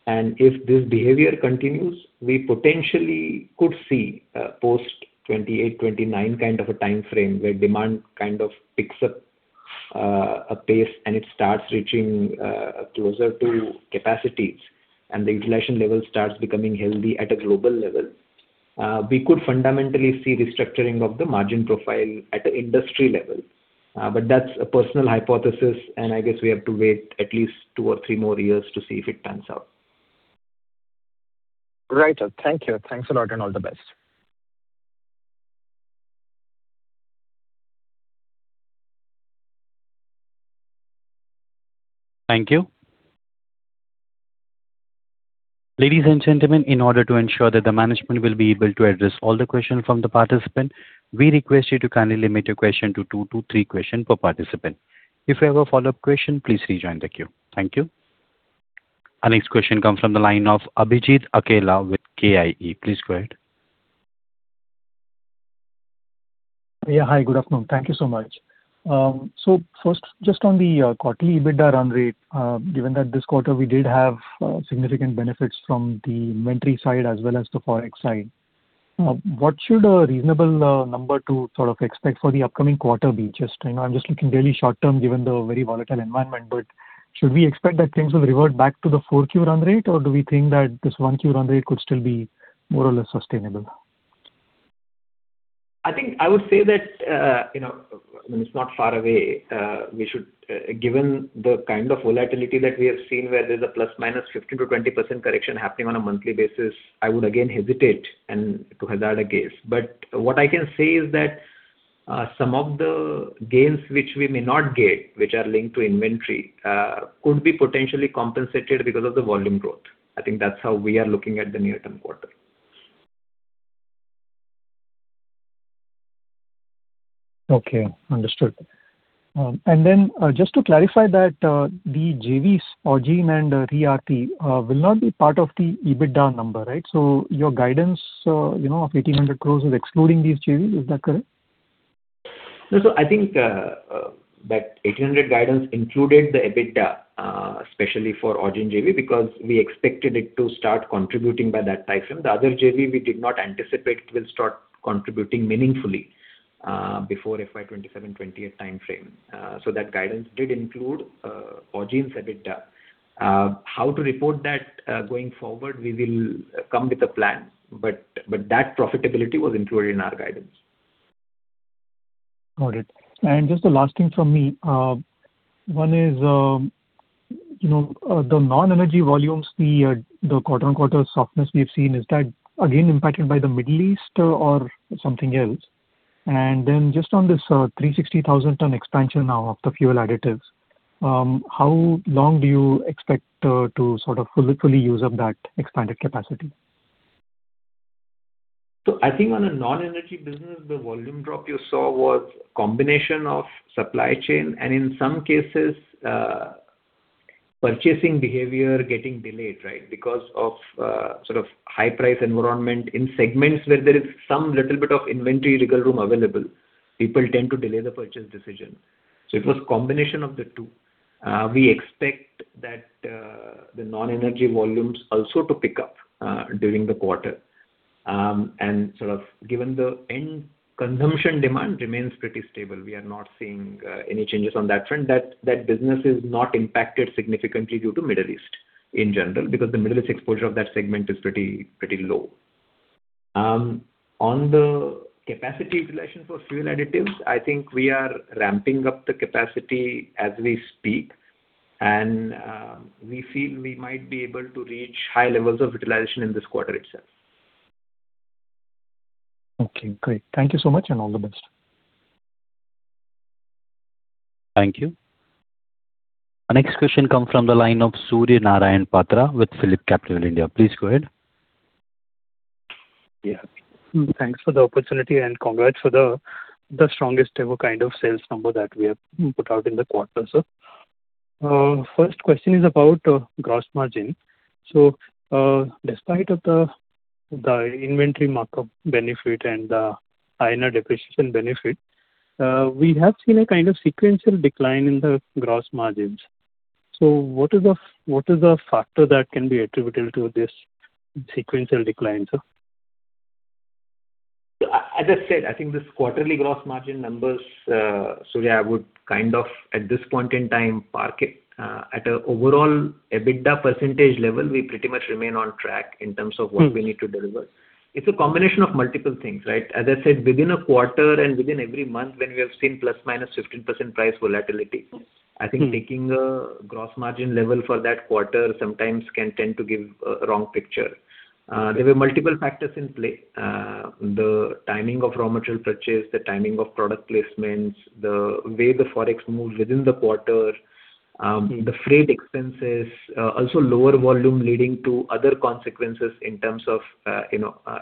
[SPEAKER 3] If this behavior continues, we potentially could see a post 2028, 2029 kind of a time frame where demand kind of picks up a pace and it starts reaching closer to capacities and the utilization level starts becoming healthy at a global level. We could fundamentally see restructuring of the margin profile at the industry level. That's a personal hypothesis, and I guess we have to wait at least two or three more years to see if it pans out.
[SPEAKER 10] Right, sir. Thank you. Thanks a lot, and all the best.
[SPEAKER 1] Thank you. Ladies and gentlemen, in order to ensure that the management will be able to address all the questions from the participant, we request you to kindly limit your question to two to three question per participant. If you have a follow-up question, please rejoin the queue. Thank you. Our next question comes from the line of Abhijit Akella with KIE. Please go ahead.
[SPEAKER 11] Yeah. Hi, good afternoon. Thank you so much. First, just on the quarterly EBITDA run rate, given that this quarter we did have significant benefits from the inventory side as well as the forex side, what should a reasonable number to sort of expect for the upcoming quarter be? I'm just looking very short term, given the very volatile environment. Should we expect that things will revert back to the 4Q run rate, or do we think that this 1Q run rate could still be more or less sustainable?
[SPEAKER 3] I think I would say that, it's not far away. Given the kind of volatility that we have seen where there's a plus minus 15%-20% correction happening on a monthly basis, I would again hesitate to hazard a guess. What I can say is that some of the gains which we may not get, which are linked to inventory, could be potentially compensated because of the volume growth. I think that's how we are looking at the near-term quarter.
[SPEAKER 11] Okay, understood. Just to clarify that the JVs, Augene and ReAarti will not be part of the EBITDA number, right? Your guidance of 1,800 crore is excluding these JVs. Is that correct?
[SPEAKER 3] No. I think that 1,800 crore guidance included the EBITDA, especially for Augene JV, because we expected it to start contributing by that timeframe. The other JV, we did not anticipate it will start contributing meaningfully before FY 2027, FY 2028 timeframe. That guidance did include Augene's EBITDA. How to report that going forward, we will come with a plan. That profitability was included in our guidance.
[SPEAKER 11] Got it. Just the last thing from me. One is the non-energy volumes, the quarter-on-quarter softness we have seen, is that again impacted by the Middle East or something else? Just on this 360,000 ton expansion now of the fuel additives, how long do you expect to sort of fully use up that expanded capacity?
[SPEAKER 3] I think on a non-energy business, the volume drop you saw was a combination of supply chain and in some cases, purchasing behavior getting delayed, right? Because of high price environment in segments where there is some little bit of inventory legal room available, people tend to delay the purchase decision. It was a combination of the two. We expect that the non-energy volumes also to pick up during the quarter. Sort of given the end consumption demand remains pretty stable, we are not seeing any changes on that front. That business is not impacted significantly due to Middle East in general, because the Middle East exposure of that segment is pretty low. On the capacity utilization for fuel additives, I think we are ramping up the capacity as we speak, and we feel we might be able to reach high levels of utilization in this quarter itself.
[SPEAKER 11] Okay, great. Thank you so much and all the best.
[SPEAKER 1] Thank you. Our next question comes from the line of Surya Narayan Patra with PhillipCapital (India). Please go ahead.
[SPEAKER 12] Thanks for the opportunity and congrats for the strongest ever kind of sales number that we have put out in the quarter, sir. First question is about gross margin. Despite of the inventory markup benefit and the higher depreciation benefit, we have seen a kind of sequential decline in the gross margins. What is the factor that can be attributable to this sequential decline, sir?
[SPEAKER 3] As I said, I think this quarterly gross margin numbers, Surya, would kind of, at this point in time, park it at an overall EBITDA percentage level. We pretty much remain on track in terms of what we need to deliver. It's a combination of multiple things, right? As I said, within a quarter and within every month, when we have seen ±15% price volatility, I think taking a gross margin level for that quarter sometimes can tend to give a wrong picture. There were multiple factors in play. The timing of raw material purchase, the timing of product placements, the way the forex moves within the quarter, the freight expenses, also lower volume leading to other consequences in terms of,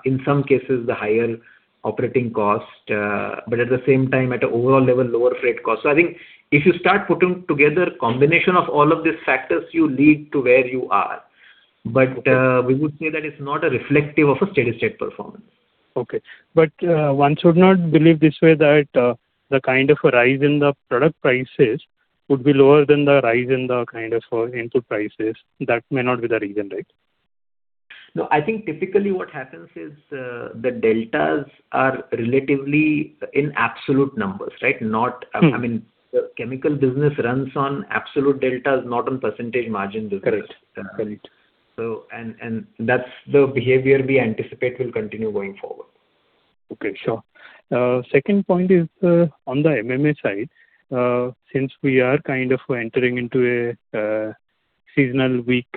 [SPEAKER 3] in some cases, the higher operating cost. At the same time, at an overall level, lower freight cost. I think if you start putting together combination of all of these factors, you lead to where you are. We would say that it's not a reflective of a steady state performance.
[SPEAKER 12] Okay. One should not believe this way that the kind of rise in the product prices would be lower than the rise in the kind of input prices. That may not be the reason, right?
[SPEAKER 3] No, I think typically what happens is the deltas are relatively in absolute numbers, right? I mean, chemical business runs on absolute deltas, not on percentage margin business.
[SPEAKER 12] Correct.
[SPEAKER 3] That's the behavior we anticipate will continue going forward.
[SPEAKER 12] Okay, sure. Second point is on the MMA side. Since we are kind of entering into a seasonal weak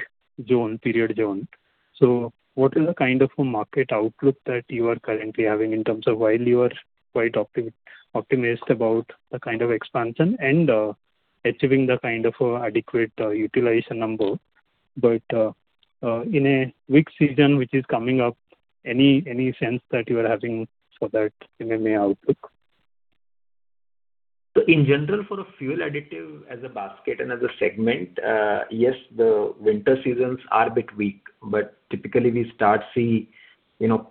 [SPEAKER 12] zone, period zone, so what is the kind of a market outlook that you are currently having in terms of while you are quite optimistic about the kind of expansion and achieving the kind of adequate utilization number, but in a weak season which is coming up, any sense that you are having for that MMA outlook?
[SPEAKER 3] In general, for a fuel additive as a basket and as a segment, yes, the winter seasons are a bit weak. Typically, we start to see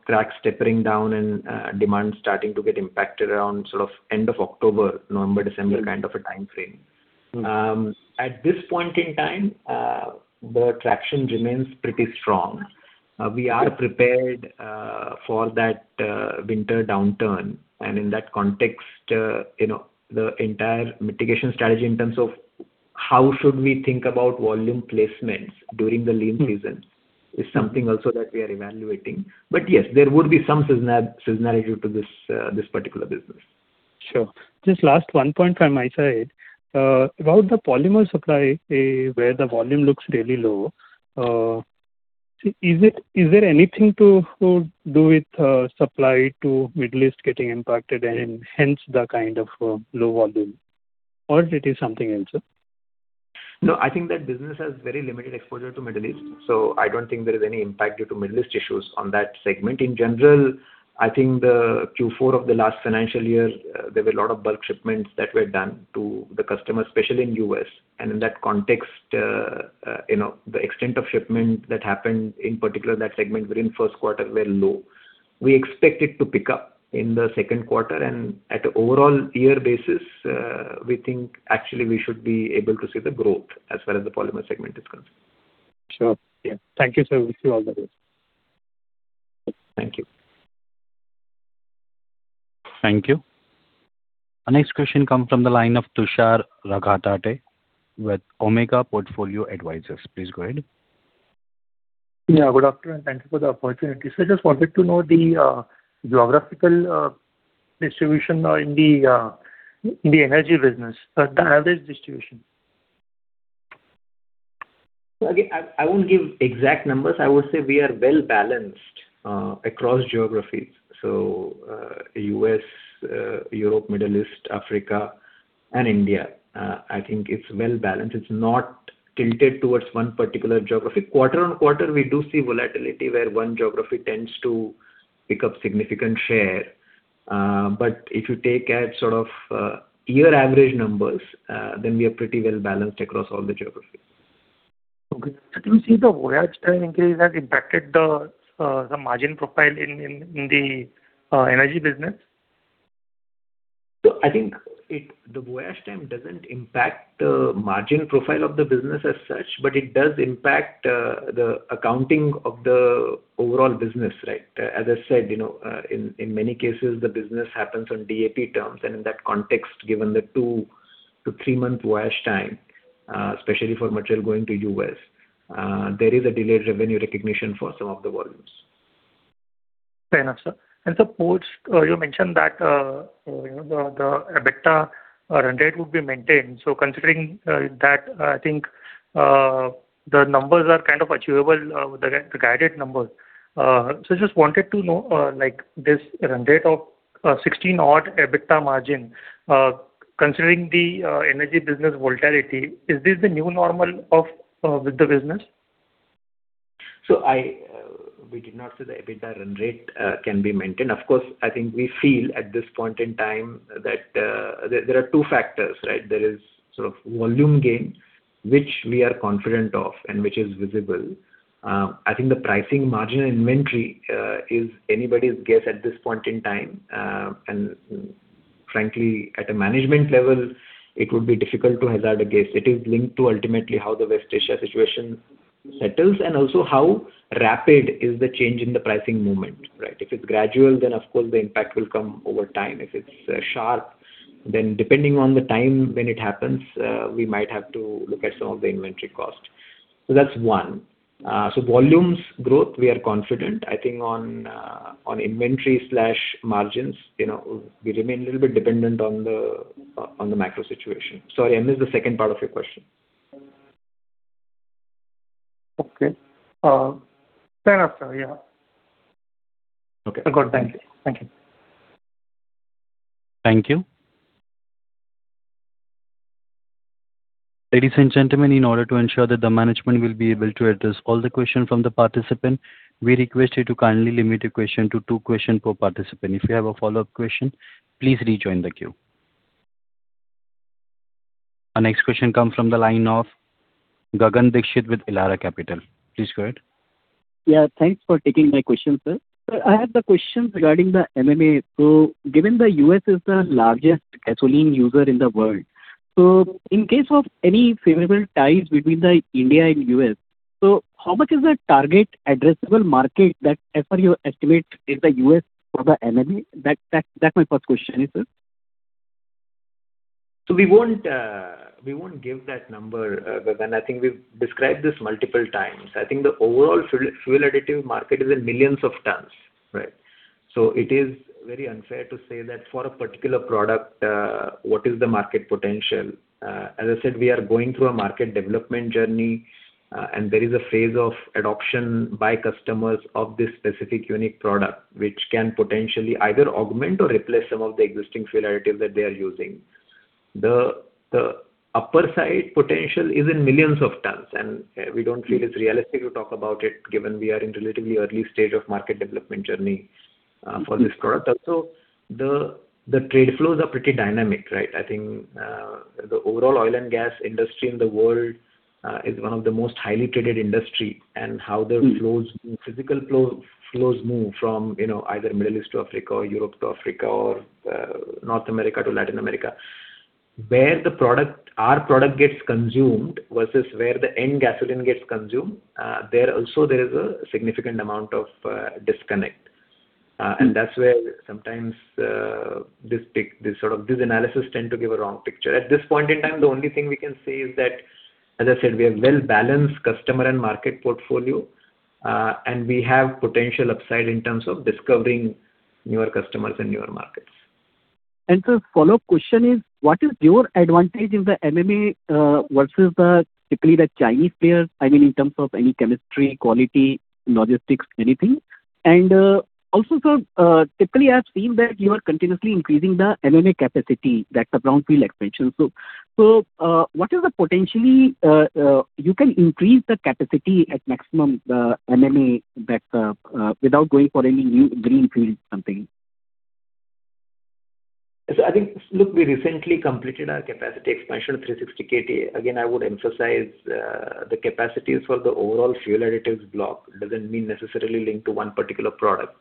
[SPEAKER 3] cracks stepping down and demand starting to get impacted around end of October, November, December kind of a time frame. At this point in time, the traction remains pretty strong. We are prepared for that winter downturn. In that context, the entire mitigation strategy in terms of how should we think about volume placements during the lean season is something also that we are evaluating. Yes, there would be some seasonality to this particular business.
[SPEAKER 12] Sure. Just last one point from my side. About the polymer supply, where the volume looks really low, is there anything to do with supply to Middle East getting impacted and hence the kind of low volume, or it is something else, sir?
[SPEAKER 3] No, I think that business has very limited exposure to Middle East, so I don't think there is any impact due to Middle East issues on that segment. In general, I think the Q4 of the last financial year, there were a lot of bulk shipments that were done to the customer, especially in U.S. In that context, the extent of shipment that happened in particular in that segment during first quarter were low. We expect it to pick up in the second quarter and at overall year basis, we think actually we should be able to see the growth as far as the polymer segment is concerned.
[SPEAKER 12] Sure.
[SPEAKER 3] Yeah.
[SPEAKER 12] Thank you, sir. Wish you all the best.
[SPEAKER 3] Thank you.
[SPEAKER 1] Thank you. Our next question comes from the line of Tushar Raghatate with Omega Portfolio Advisors. Please go ahead.
[SPEAKER 13] Yeah, good afternoon. Thank you for the opportunity. Sir, just wanted to know the geographical distribution in the energy business, the average distribution.
[SPEAKER 3] Again, I won't give exact numbers. I would say we are well-balanced across geographies. U.S., Europe, Middle East, Africa, and India. I think it's well-balanced. It's not tilted towards one particular geography. Quarter-on-quarter, we do see volatility where one geography tends to pick up significant share. If you take a sort of year average numbers, then we are pretty well-balanced across all the geographies.
[SPEAKER 13] Okay. Do you see the voyage time increase has impacted the margin profile in the energy business?
[SPEAKER 3] I think the voyage time doesn't impact the margin profile of the business as such, but it does impact the accounting of the overall business, right? As I said, in many cases, the business happens on DAP terms, and in that context, given the two to three-month voyage time, especially for material going to U.S., there is a delayed revenue recognition for some of the volumes.
[SPEAKER 13] Fair enough, sir. Sir, you mentioned that the EBITDA run rate would be maintained. Considering that, I think the numbers are kind of achievable, the guided numbers. Just wanted to know, this run rate of 16 odd EBITDA margin, considering the energy business volatility, is this the new normal with the business?
[SPEAKER 3] We did not say the EBITDA run rate can be maintained. Of course, I think we feel at this point in time that there are two factors, right? There is sort of volume gain, which we are confident of and which is visible. I think the pricing margin and inventory is anybody's guess at this point in time. Frankly, at a management level, it would be difficult to hazard a guess. It is linked to ultimately how the West Asia situation settles and also how rapid is the change in the pricing movement, right? If it's gradual, then of course the impact will come over time. If it's sharp, then depending on the time when it happens, we might have to look at some of the inventory cost. That's one. Volumes growth, we are confident. I think on inventory/margins, we remain a little bit dependent on the macro situation. Sorry, I missed the second part of your question.
[SPEAKER 13] Okay. Fair enough, sir. Yeah.
[SPEAKER 3] Okay.
[SPEAKER 13] Good. Thank you.
[SPEAKER 3] Thank you.
[SPEAKER 1] Thank you. Ladies and gentlemen, in order to ensure that the management will be able to address all the question from the participant, we request you to kindly limit your question to two question per participant. If you have a follow-up question, please rejoin the queue. Our next question comes from the line of Gagan Dixit with Elara Capital. Please go ahead.
[SPEAKER 14] Yeah, thanks for taking my question, sir. Sir, I have the question regarding the MMA. Given the U.S. is the largest gasoline user in the world, in case of any favorable ties between the India and U.S., how much is the target addressable market that as per your estimate is the U.S. for the MMA? That's my first question is, sir.
[SPEAKER 3] We won't give that number, Gagan. I think we've described this multiple times. I think the overall fuel additive market is in millions of tons, right? It is very unfair to say that for a particular product, what is the market potential? As I said, we are going through a market development journey, and there is a phase of adoption by customers of this specific unique product, which can potentially either augment or replace some of the existing fuel additive that they are using. Upside potential is in millions of tons, and we don't feel it's realistic to talk about it given we are in relatively early stage of market development journey for this product. Also, the trade flows are pretty dynamic, right? I think the overall oil and gas industry in the world is one of the most highly traded industry, how the physical flows move from either Middle East to Africa or Europe to Africa or North America to Latin America. Where our product gets consumed versus where the end gasoline gets consumed, there also there is a significant amount of disconnect. That's where sometimes these analysis tend to give a wrong picture. At this point in time, the only thing we can say is that, as I said, we have well-balanced customer and market portfolio, we have potential upside in terms of discovering newer customers and newer markets.
[SPEAKER 14] Follow-up question is, what is your advantage in the MMA versus typically the Chinese players, I mean, in terms of any chemistry, quality, logistics, anything? Also, typically I've seen that you are continuously increasing the MMA capacity, that's the brownfield expansion. What is the potentially you can increase the capacity at maximum, the MMA, without going for any new greenfield something?
[SPEAKER 3] We recently completed our capacity expansion of 360 KT. Again, I would emphasize the capacities for the overall fuel additives block, doesn't mean necessarily linked to one particular product.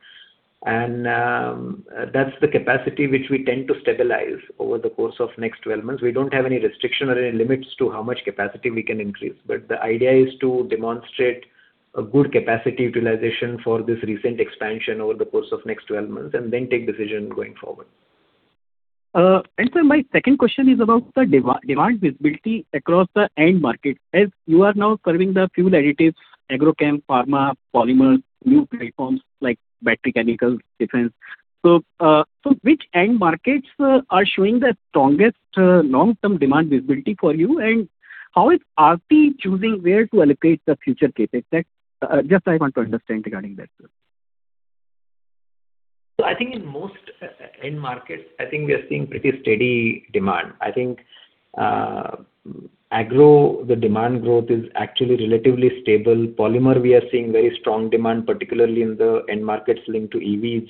[SPEAKER 3] That's the capacity which we tend to stabilize over the course of next 12 months. We don't have any restriction or any limits to how much capacity we can increase. The idea is to demonstrate a good capacity utilization for this recent expansion over the course of next 12 months, and then take decision going forward.
[SPEAKER 14] My second question is about the demand visibility across the end market, as you are now serving the fuel additives, agrochem, pharma, polymers, new platforms like battery chemicals, defense. Which end markets are showing the strongest long-term demand visibility for you, and how is Aarti choosing where to allocate the future CapEx? Just I want to understand regarding that, sir.
[SPEAKER 3] In most end markets, I think we are seeing pretty steady demand. I think agro, the demand growth is actually relatively stable. Polymer, we are seeing very strong demand, particularly in the end markets linked to EVs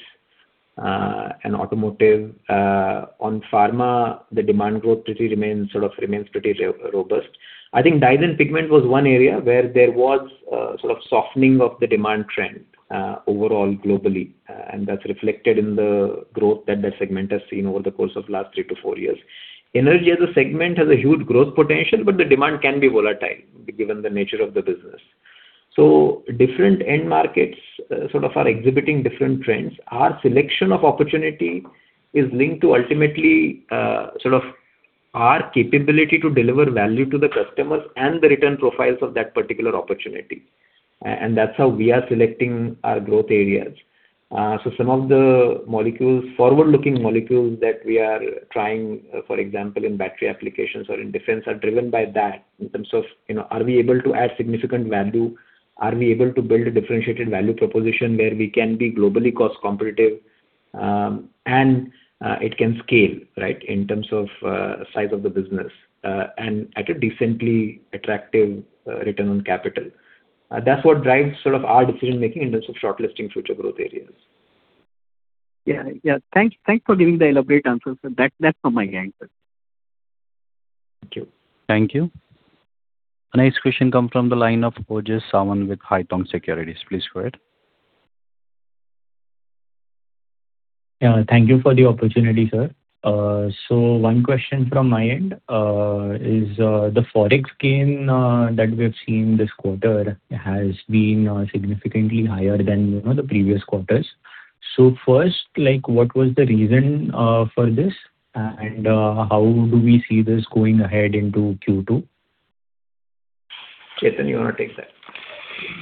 [SPEAKER 3] and automotive. On pharma, the demand growth sort of remains pretty robust. I think dyes and pigment was one area where there was a sort of softening of the demand trend overall globally, and that's reflected in the growth that the segment has seen over the course of last three to four years. Energy as a segment has a huge growth potential, the demand can be volatile given the nature of the business. Different end markets sort of are exhibiting different trends. Our selection of opportunity is linked to ultimately our capability to deliver value to the customers and the return profiles of that particular opportunity. That's how we are selecting our growth areas. Some of the forward-looking molecules that we are trying, for example, in battery applications or in defense, are driven by that in terms of, are we able to add significant value? Are we able to build a differentiated value proposition where we can be globally cost competitive, and it can scale, right, in terms of size of the business, and at a decently attractive return on capital. That's what drives our decision making in terms of shortlisting future growth areas.
[SPEAKER 14] Thanks for giving the elaborate answer, sir. That's from my end, sir.
[SPEAKER 3] Thank you.
[SPEAKER 1] Thank you. The next question comes from the line of Ojas Sawant with Haitong Securities. Please go ahead.
[SPEAKER 15] Yeah. Thank you for the opportunity, sir. One question from my end is, the forex gain that we have seen this quarter has been significantly higher than the previous quarters. First, what was the reason for this, and how do we see this going ahead into Q2?
[SPEAKER 3] Chetan, you want to take that?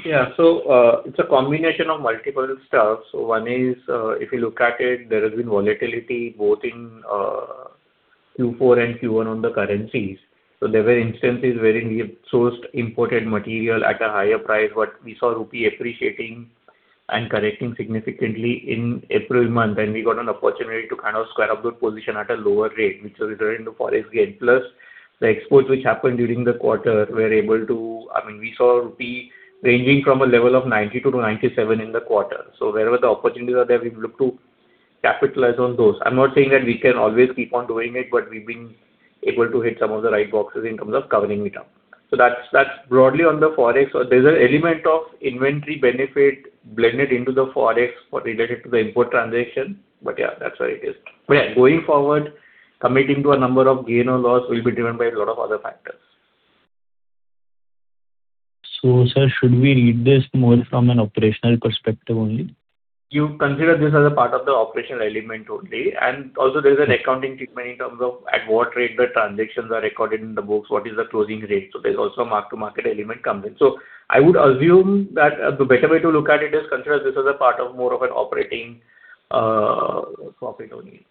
[SPEAKER 9] Yeah. It's a combination of multiple stuff. One is, if you look at it, there has been volatility both in Q4 and Q1 on the currencies. There were instances wherein we sourced imported material at a higher price, but we saw rupee appreciating and correcting significantly in April month, and we got an opportunity to kind of square up good position at a lower rate, which resulted in the forex gain. Plus, the exports which happened during the quarter, I mean, we saw rupee ranging from a level of 92-97 in the quarter. Wherever the opportunities are there, we've looked to capitalize on those. I'm not saying that we can always keep on doing it, but we've been able to hit some of the right boxes in terms of covering it up. That's broadly on the forex. There's an element of inventory benefit blended into the forex for related to the import transaction. Yeah, that's what it is. Yeah, going forward, committing to a number of gain or loss will be driven by a lot of other factors.
[SPEAKER 15] sir, should we read this more from an operational perspective only?
[SPEAKER 9] You consider this as a part of the operational element only, also there's an accounting treatment in terms of at what rate the transactions are recorded in the books, what is the closing rate. There's also a mark-to-market element comes in. I would assume that the better way to look at it is consider this as a part of more of an operating profit only.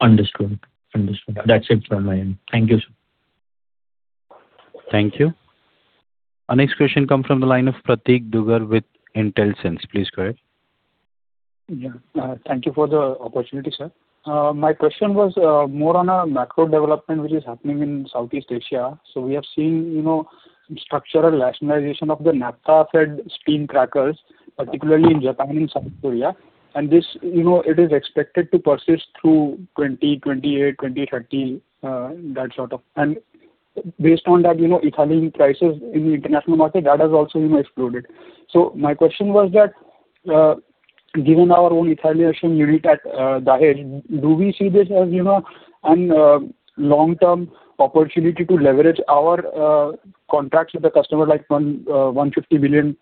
[SPEAKER 15] Understood. That's it from my end. Thank you, sir
[SPEAKER 1] Thank you. Our next question comes from the line of Prateek Dugar with Intelsense. Please go ahead.
[SPEAKER 16] Yeah. Thank you for the opportunity, sir. My question was more on a macro development which is happening in Southeast Asia. We have seen structural rationalization of the naphtha-fed steam crackers, particularly in Japan and South Korea. It is expected to persist through 2028, 2030. Based on that, ethylene prices in the international market, that has also exploded. My question was that, given our own ethylation unit at Dahej, do we see this as a long-term opportunity to leverage our contracts with the customer, like INR 150 million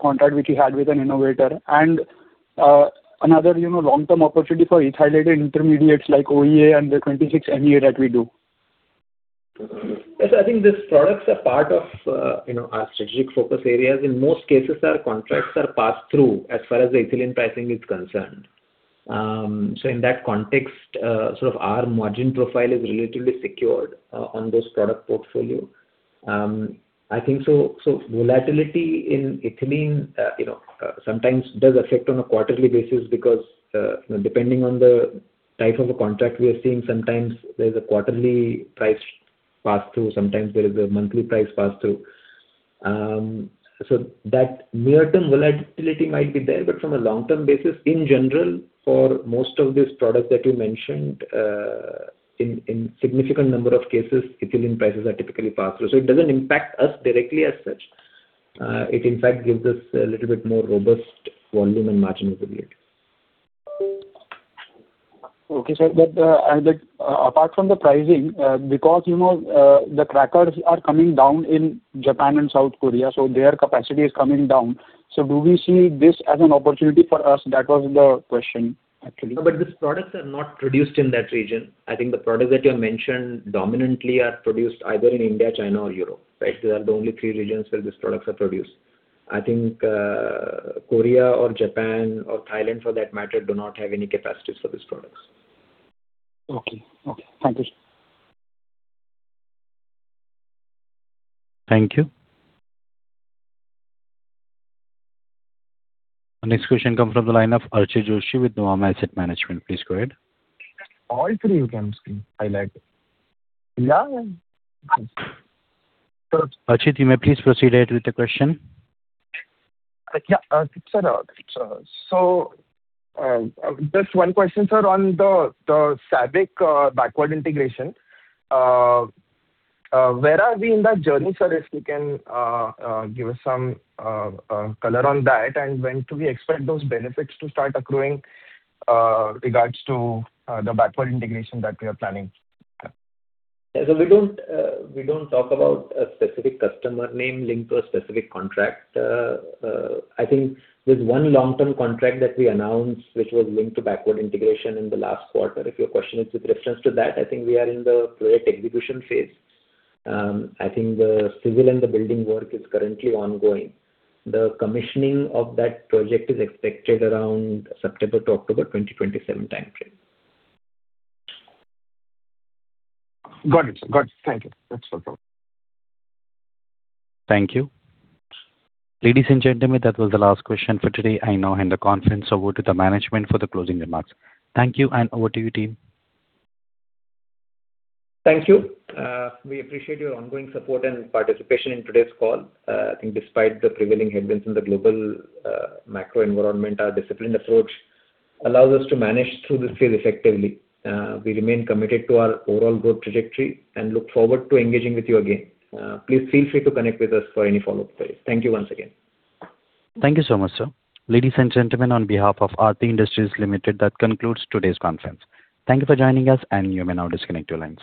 [SPEAKER 16] contract which we had with an innovator and another long-term opportunity for ethylated intermediates like OEA and the 2,6-DEA that we do?
[SPEAKER 3] Yes. I think these products are part of our strategic focus areas. In most cases, our contracts are passed through as far as the ethylene pricing is concerned. In that context, sort of our margin profile is relatively secured on this product portfolio. I think volatility in ethylene sometimes does affect on a quarterly basis because depending on the type of a contract we are seeing, sometimes there's a quarterly price pass-through, sometimes there is a monthly price pass-through. That near-term volatility might be there. From a long-term basis, in general, for most of these products that you mentioned, in significant number of cases, ethylene prices are typically passed through. It doesn't impact us directly as such. It in fact gives us a little bit more robust volume and margin visibility.
[SPEAKER 16] Okay, sir. Apart from the pricing, because the crackers are coming down in Japan and South Korea, their capacity is coming down. Do we see this as an opportunity for us? That was the question, actually.
[SPEAKER 3] No. These products are not produced in that region. I think the products that you have mentioned dominantly are produced either in India, China, or Europe. Those are the only three regions where these products are produced. I think Korea or Japan or Thailand for that matter, do not have any capacities for these products.
[SPEAKER 16] Okay. Thank you, sir.
[SPEAKER 1] Thank you. Our next question comes from the line of Archit Joshi with Nuvama Asset Management. Please go ahead.
[SPEAKER 10] All three you can highlight.
[SPEAKER 3] Yeah.
[SPEAKER 1] Archit, you may please proceed with the question.
[SPEAKER 10] Yeah. Just one question, sir, on the SABIC backward integration. Where are we in that journey, sir? If you can give us some color on that and when do we expect those benefits to start accruing regards to the backward integration that we are planning?
[SPEAKER 3] We don't talk about a specific customer name linked to a specific contract. I think there's one long-term contract that we announced which was linked to backward integration in the last quarter. If your question is with reference to that, I think we are in the project execution phase. I think the civil and the building work is currently ongoing. The commissioning of that project is expected around September to October 2027 timeframe.
[SPEAKER 10] Got it, sir. Thank you. That's all.
[SPEAKER 1] Thank you. Ladies and gentlemen, that was the last question for today. I now hand the conference over to the management for the closing remarks. Thank you, and over to you, team.
[SPEAKER 3] Thank you. We appreciate your ongoing support and participation in today's call. I think despite the prevailing headwinds in the global macro environment, our disciplined approach allows us to manage through this phase effectively. We remain committed to our overall growth trajectory and look forward to engaging with you again. Please feel free to connect with us for any follow-up queries. Thank you once again.
[SPEAKER 1] Thank you so much, sir. Ladies and gentlemen, on behalf of Aarti Industries Limited, that concludes today's conference. Thank you for joining us and you may now disconnect your lines.